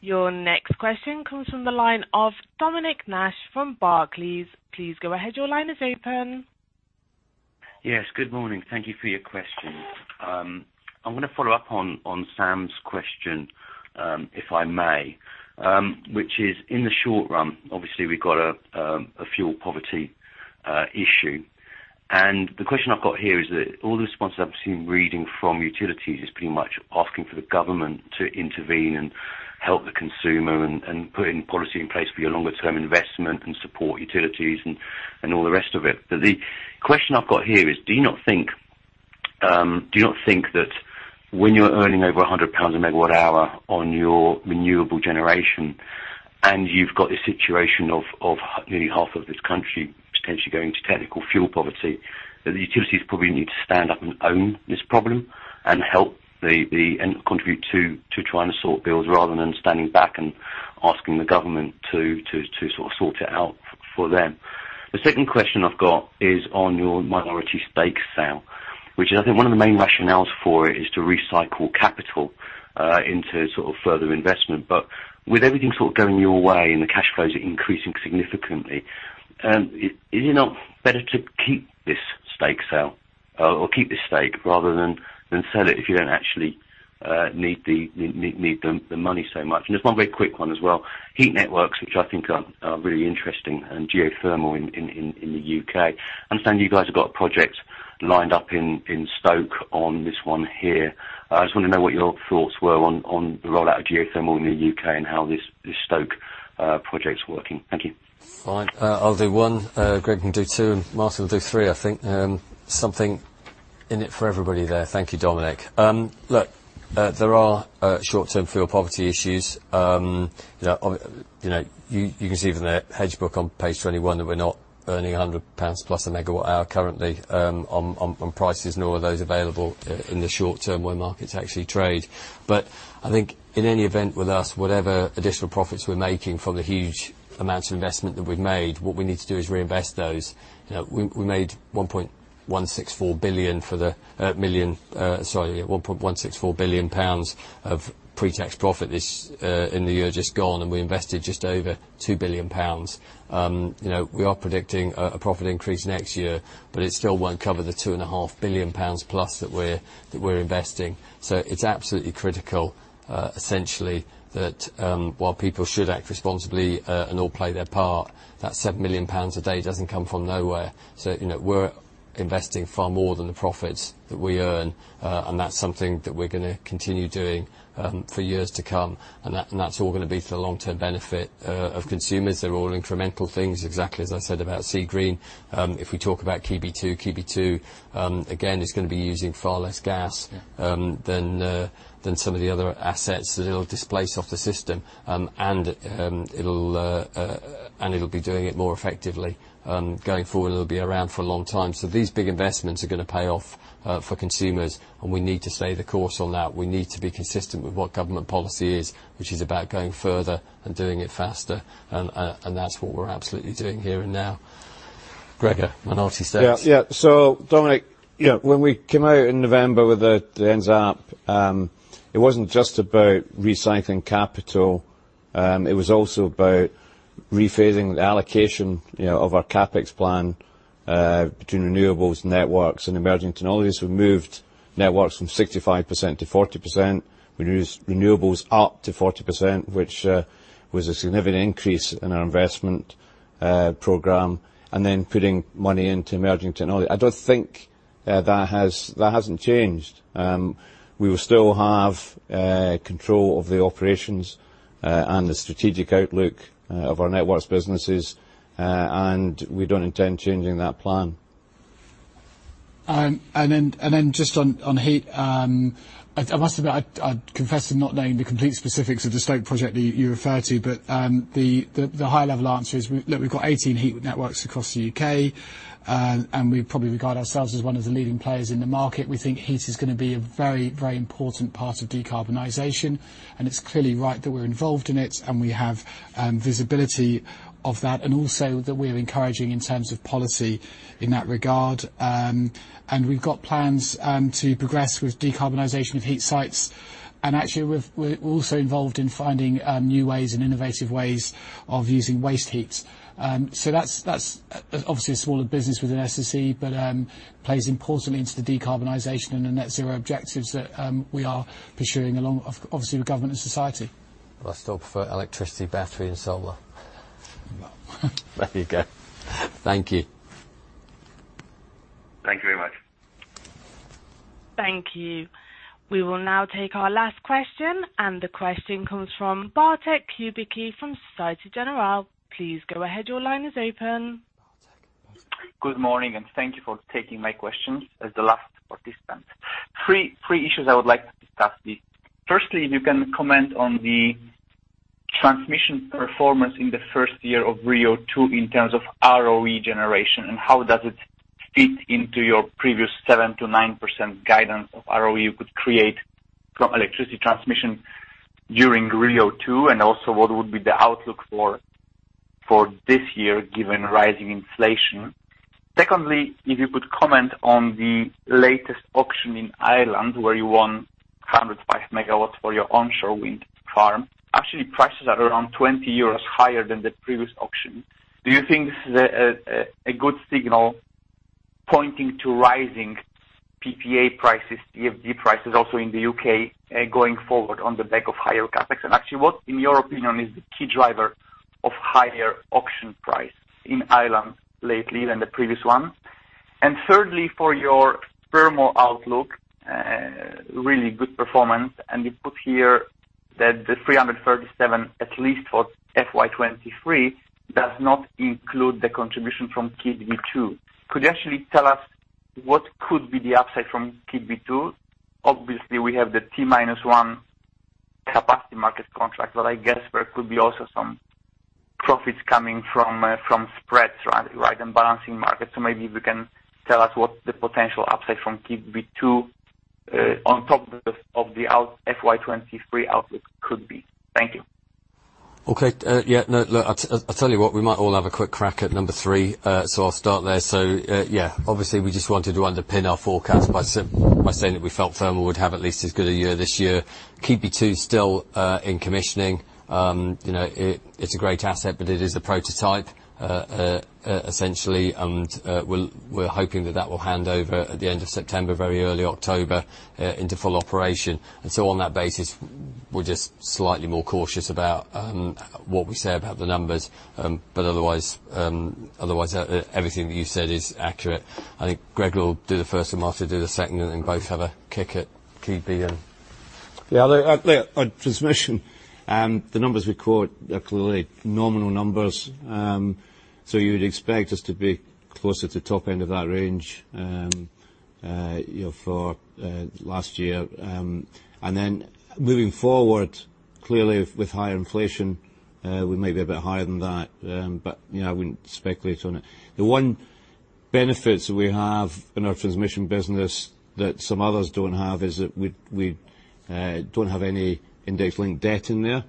Your next question comes from the line of Dominic Nash from Barclays. Please go ahead. Your line is open.
Yes. Good morning. Thank you for your questions. I wanna follow up on Sam's question, if I may, which is, in the short run, obviously we've got a fuel poverty issue. The question I've got here is that all the responses I've seen reading from utilities is pretty much asking for the government to intervene and help the consumer and putting policy in place for your longer term investment and support utilities and all the rest of it. The question I've got here is, do you not think that when you're earning over 100 pounds a MW-hour on your renewable generation, and you've got this situation of nearly half of this country potentially going to technical fuel poverty, that the utilities probably need to stand up and own this problem and help and contribute to trying to sort bills rather than standing back and asking the government to sort of sort it out for them? The second question I've got is on your minority stake sale, which I think one of the main rationales for it is to recycle capital into sort of further investment. With everything sort of going your way and the cash flows are increasing significantly, is it not better to keep this stake sale or keep the stake rather than sell it if you don't actually need the money so much? Just one very quick one as well. Heat networks, which I think are really interesting and geothermal in the U.K.. Understand you guys have got a project lined up in Stoke on this one here. I just wanna know what your thoughts were on the rollout of geothermal in the U.K. and how this Stoke project's working. Thank you.
Fine. I'll do one, Greg can do two, and Martin will do three, I think. Something in it for everybody there. Thank you, Dominic. Look, there are short-term fuel poverty issues. You know, you can see from the hedge book on page 21 that we're not earning 100+ pounds a MW-hour currently, on prices, nor are those available in the short term where markets actually trade. I think in any event with us, whatever additional profits we're making from the huge amounts of investment that we've made, what we need to do is reinvest those. You know, we made 1.164 billion for the... We reported 1.164 billion pounds of pre-tax profit in the year just gone, and we invested just over 2 billion pounds. We are predicting a profit increase next year, but it still won't cover the 2.5 billion pounds plus that we're investing. It's absolutely critical, essentially that while people should act responsibly and all play their part, that 7 million pounds a day doesn't come from nowhere. We're investing far more than the profits that we earn, and that's something that we're gonna continue doing for years to come. That's all gonna be for the long-term benefit of consumers. They're all incremental things, exactly as I said about Seagreen. If we talk about Keadby 2, again, is gonna be using far less gas.
Yeah.
than some of the other assets that it'll displace off the system. It'll be doing it more effectively going forward, and it'll be around for a long time. These big investments are gonna pay off for consumers, and we need to stay the course on that. We need to be consistent with what government policy is, which is about going further and doing it faster. That's what we're absolutely doing here and now. Gregor, minority stakes.
Dominic, you know, when we came out in November with the NZAP, it wasn't just about recycling capital, it was also about rephasing the allocation, you know, of our CapEx plan between renewables, networks, and emerging technologies. We've moved networks from 65%-40%. We moved renewables up to 40%, which was a significant increase in our investment program, and then putting money into emerging technology. I don't think that has changed. We will still have control of the operations and the strategic outlook of our networks businesses. We don't intend changing that plan.
Just on heat. I must admit, I confess to not knowing the complete specifics of the Stoke project that you refer to. The high level answer is we... Look, we've got 18 heat networks across the U.K.. We probably regard ourselves as one of the leading players in the market. We think heat is gonna be a very, very important part of decarbonization, and it's clearly right that we're involved in it, and we have visibility of that. We are encouraging in terms of policy in that regard. We've got plans to progress with decarbonization of heat sites. Actually, we're also involved in finding new ways and innovative ways of using waste heat. That's obviously a smaller business within SSE, but plays importantly into the decarbonization and the net zero objectives that we are pursuing along, obviously, with government and society.
I still prefer electricity, battery and solar.
Well...
There you go. Thank you.
Thank you very much.
Thank you. We will now take our last question, and the question comes from Bartłomiej Kubicki from Société Générale. Please go ahead, your line is open.
Good morning, and thank you for taking my question, as the last participant. Three issues I would like to discuss with you. Firstly, if you can comment on the transmission performance in the first year of RIIO-T2 in terms of ROE generation. How does it fit into your previous 7%-9% guidance of ROE you could create from electricity transmission during RIIO-T2? What would be the outlook for this year, given rising inflation? Secondly, if you could comment on the latest auction in Ireland, where you won 105 MW for your onshore wind farm. Actually, prices are around 20 euros higher than the previous auction. Do you think this is a good signal pointing to rising PPA prices, CFD prices also in the U.K., going forward on the back of higher CapEx? Actually, what, in your opinion, is the key driver of higher auction price in Ireland lately than the previous ones? Thirdly, for your thermal outlook, really good performance. You put here that the 337, at least for FY 2023, does not include the contribution from Keadby 2. Could you actually tell us what could be the upside from Keadby 2? Obviously, we have the T-1 Capacity Market contract. But I guess there could be also some profits coming from spark spreads, right, in balancing markets. So maybe if you can tell us what the potential upside from Keadby 2, on top of the FY 2023 outlook could be. Thank you.
Okay. Yeah, no, look, I'll tell you what, we might all have a quick crack at number three. I'll start there. Yeah. Obviously, we just wanted to underpin our forecast by saying that we felt Thermal would have at least as good a year this year. Keadby 2's still in commissioning. You know, it's a great asset, but it is a prototype, essentially. We're hoping that that will hand over at the end of September, very early October, into full operation. On that basis, we're just slightly more cautious about what we say about the numbers. Otherwise, everything that you said is accurate. I think Greg will do the first and Martin will do the second, and then both have a kick at Keadby and
Yeah, look on transmission, the numbers we quote are clearly nominal numbers. You would expect us to be closer to the top end of that range, you know, for last year. Moving forward, clearly with higher inflation, we may be a bit higher than that. You know, I wouldn't speculate on it. The one benefit that we have in our transmission business that some others don't have is that we don't have any index-linked debt in there.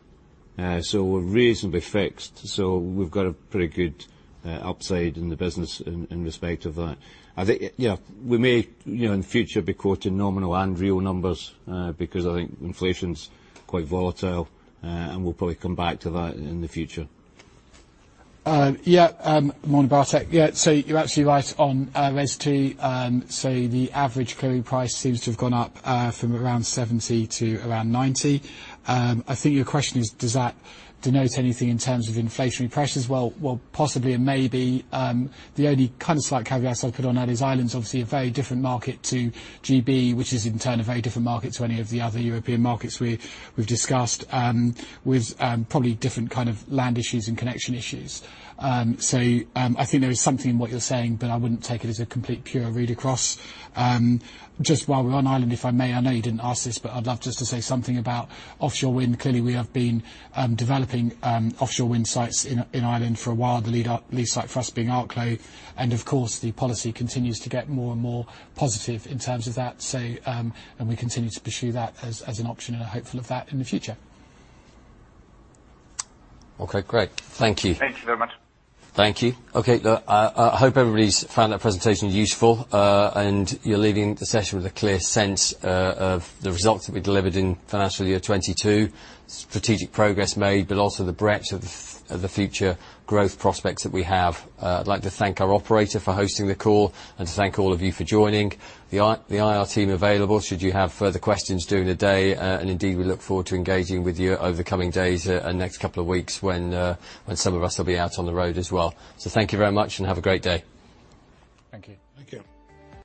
We're reasonably fixed. We've got a pretty good upside in the business in respect of that. I think, yeah, we may, you know, in the future, be quoting nominal and real numbers because I think inflation's quite volatile. We'll probably come back to that in the future.
Yeah, I'm on Bartek. Yeah. You're actually right on RES-2. The average clearing price seems to have gone up from around 70 to around 90. I think your question is, does that denote anything in terms of inflationary pressures? Well, possibly and maybe. The only kind of slight caveat I'd put on that is Ireland's obviously a very different market to GB, which is in turn a very different market to any of the other European markets we've discussed, with probably different kind of land issues and connection issues. I think there is something in what you're saying, but I wouldn't take it as a complete pure read across. Just while we're on Ireland, if I may. I know you didn't ask this, but I'd love just to say something about offshore wind. Clearly, we have been developing offshore wind sites in Ireland for a while. The lead site for us being Arklow. Of course, the policy continues to get more and more positive in terms of that. We continue to pursue that as an option and are hopeful of that in the future.
Okay, great. Thank you.
Thank you very much.
Thank you. Okay. Look, I hope everybody's found that presentation useful. You're leaving the session with a clear sense of the results that we delivered in financial year 2022. Strategic progress made, but also the breadth of the future growth prospects that we have. I'd like to thank our operator for hosting the call, and to thank all of you for joining. The IR team are available should you have further questions during the day. Indeed, we look forward to engaging with you over the coming days, and next couple of weeks when some of us will be out on the road as well. Thank you very much, and have a great day.
Thank you.
Thank you.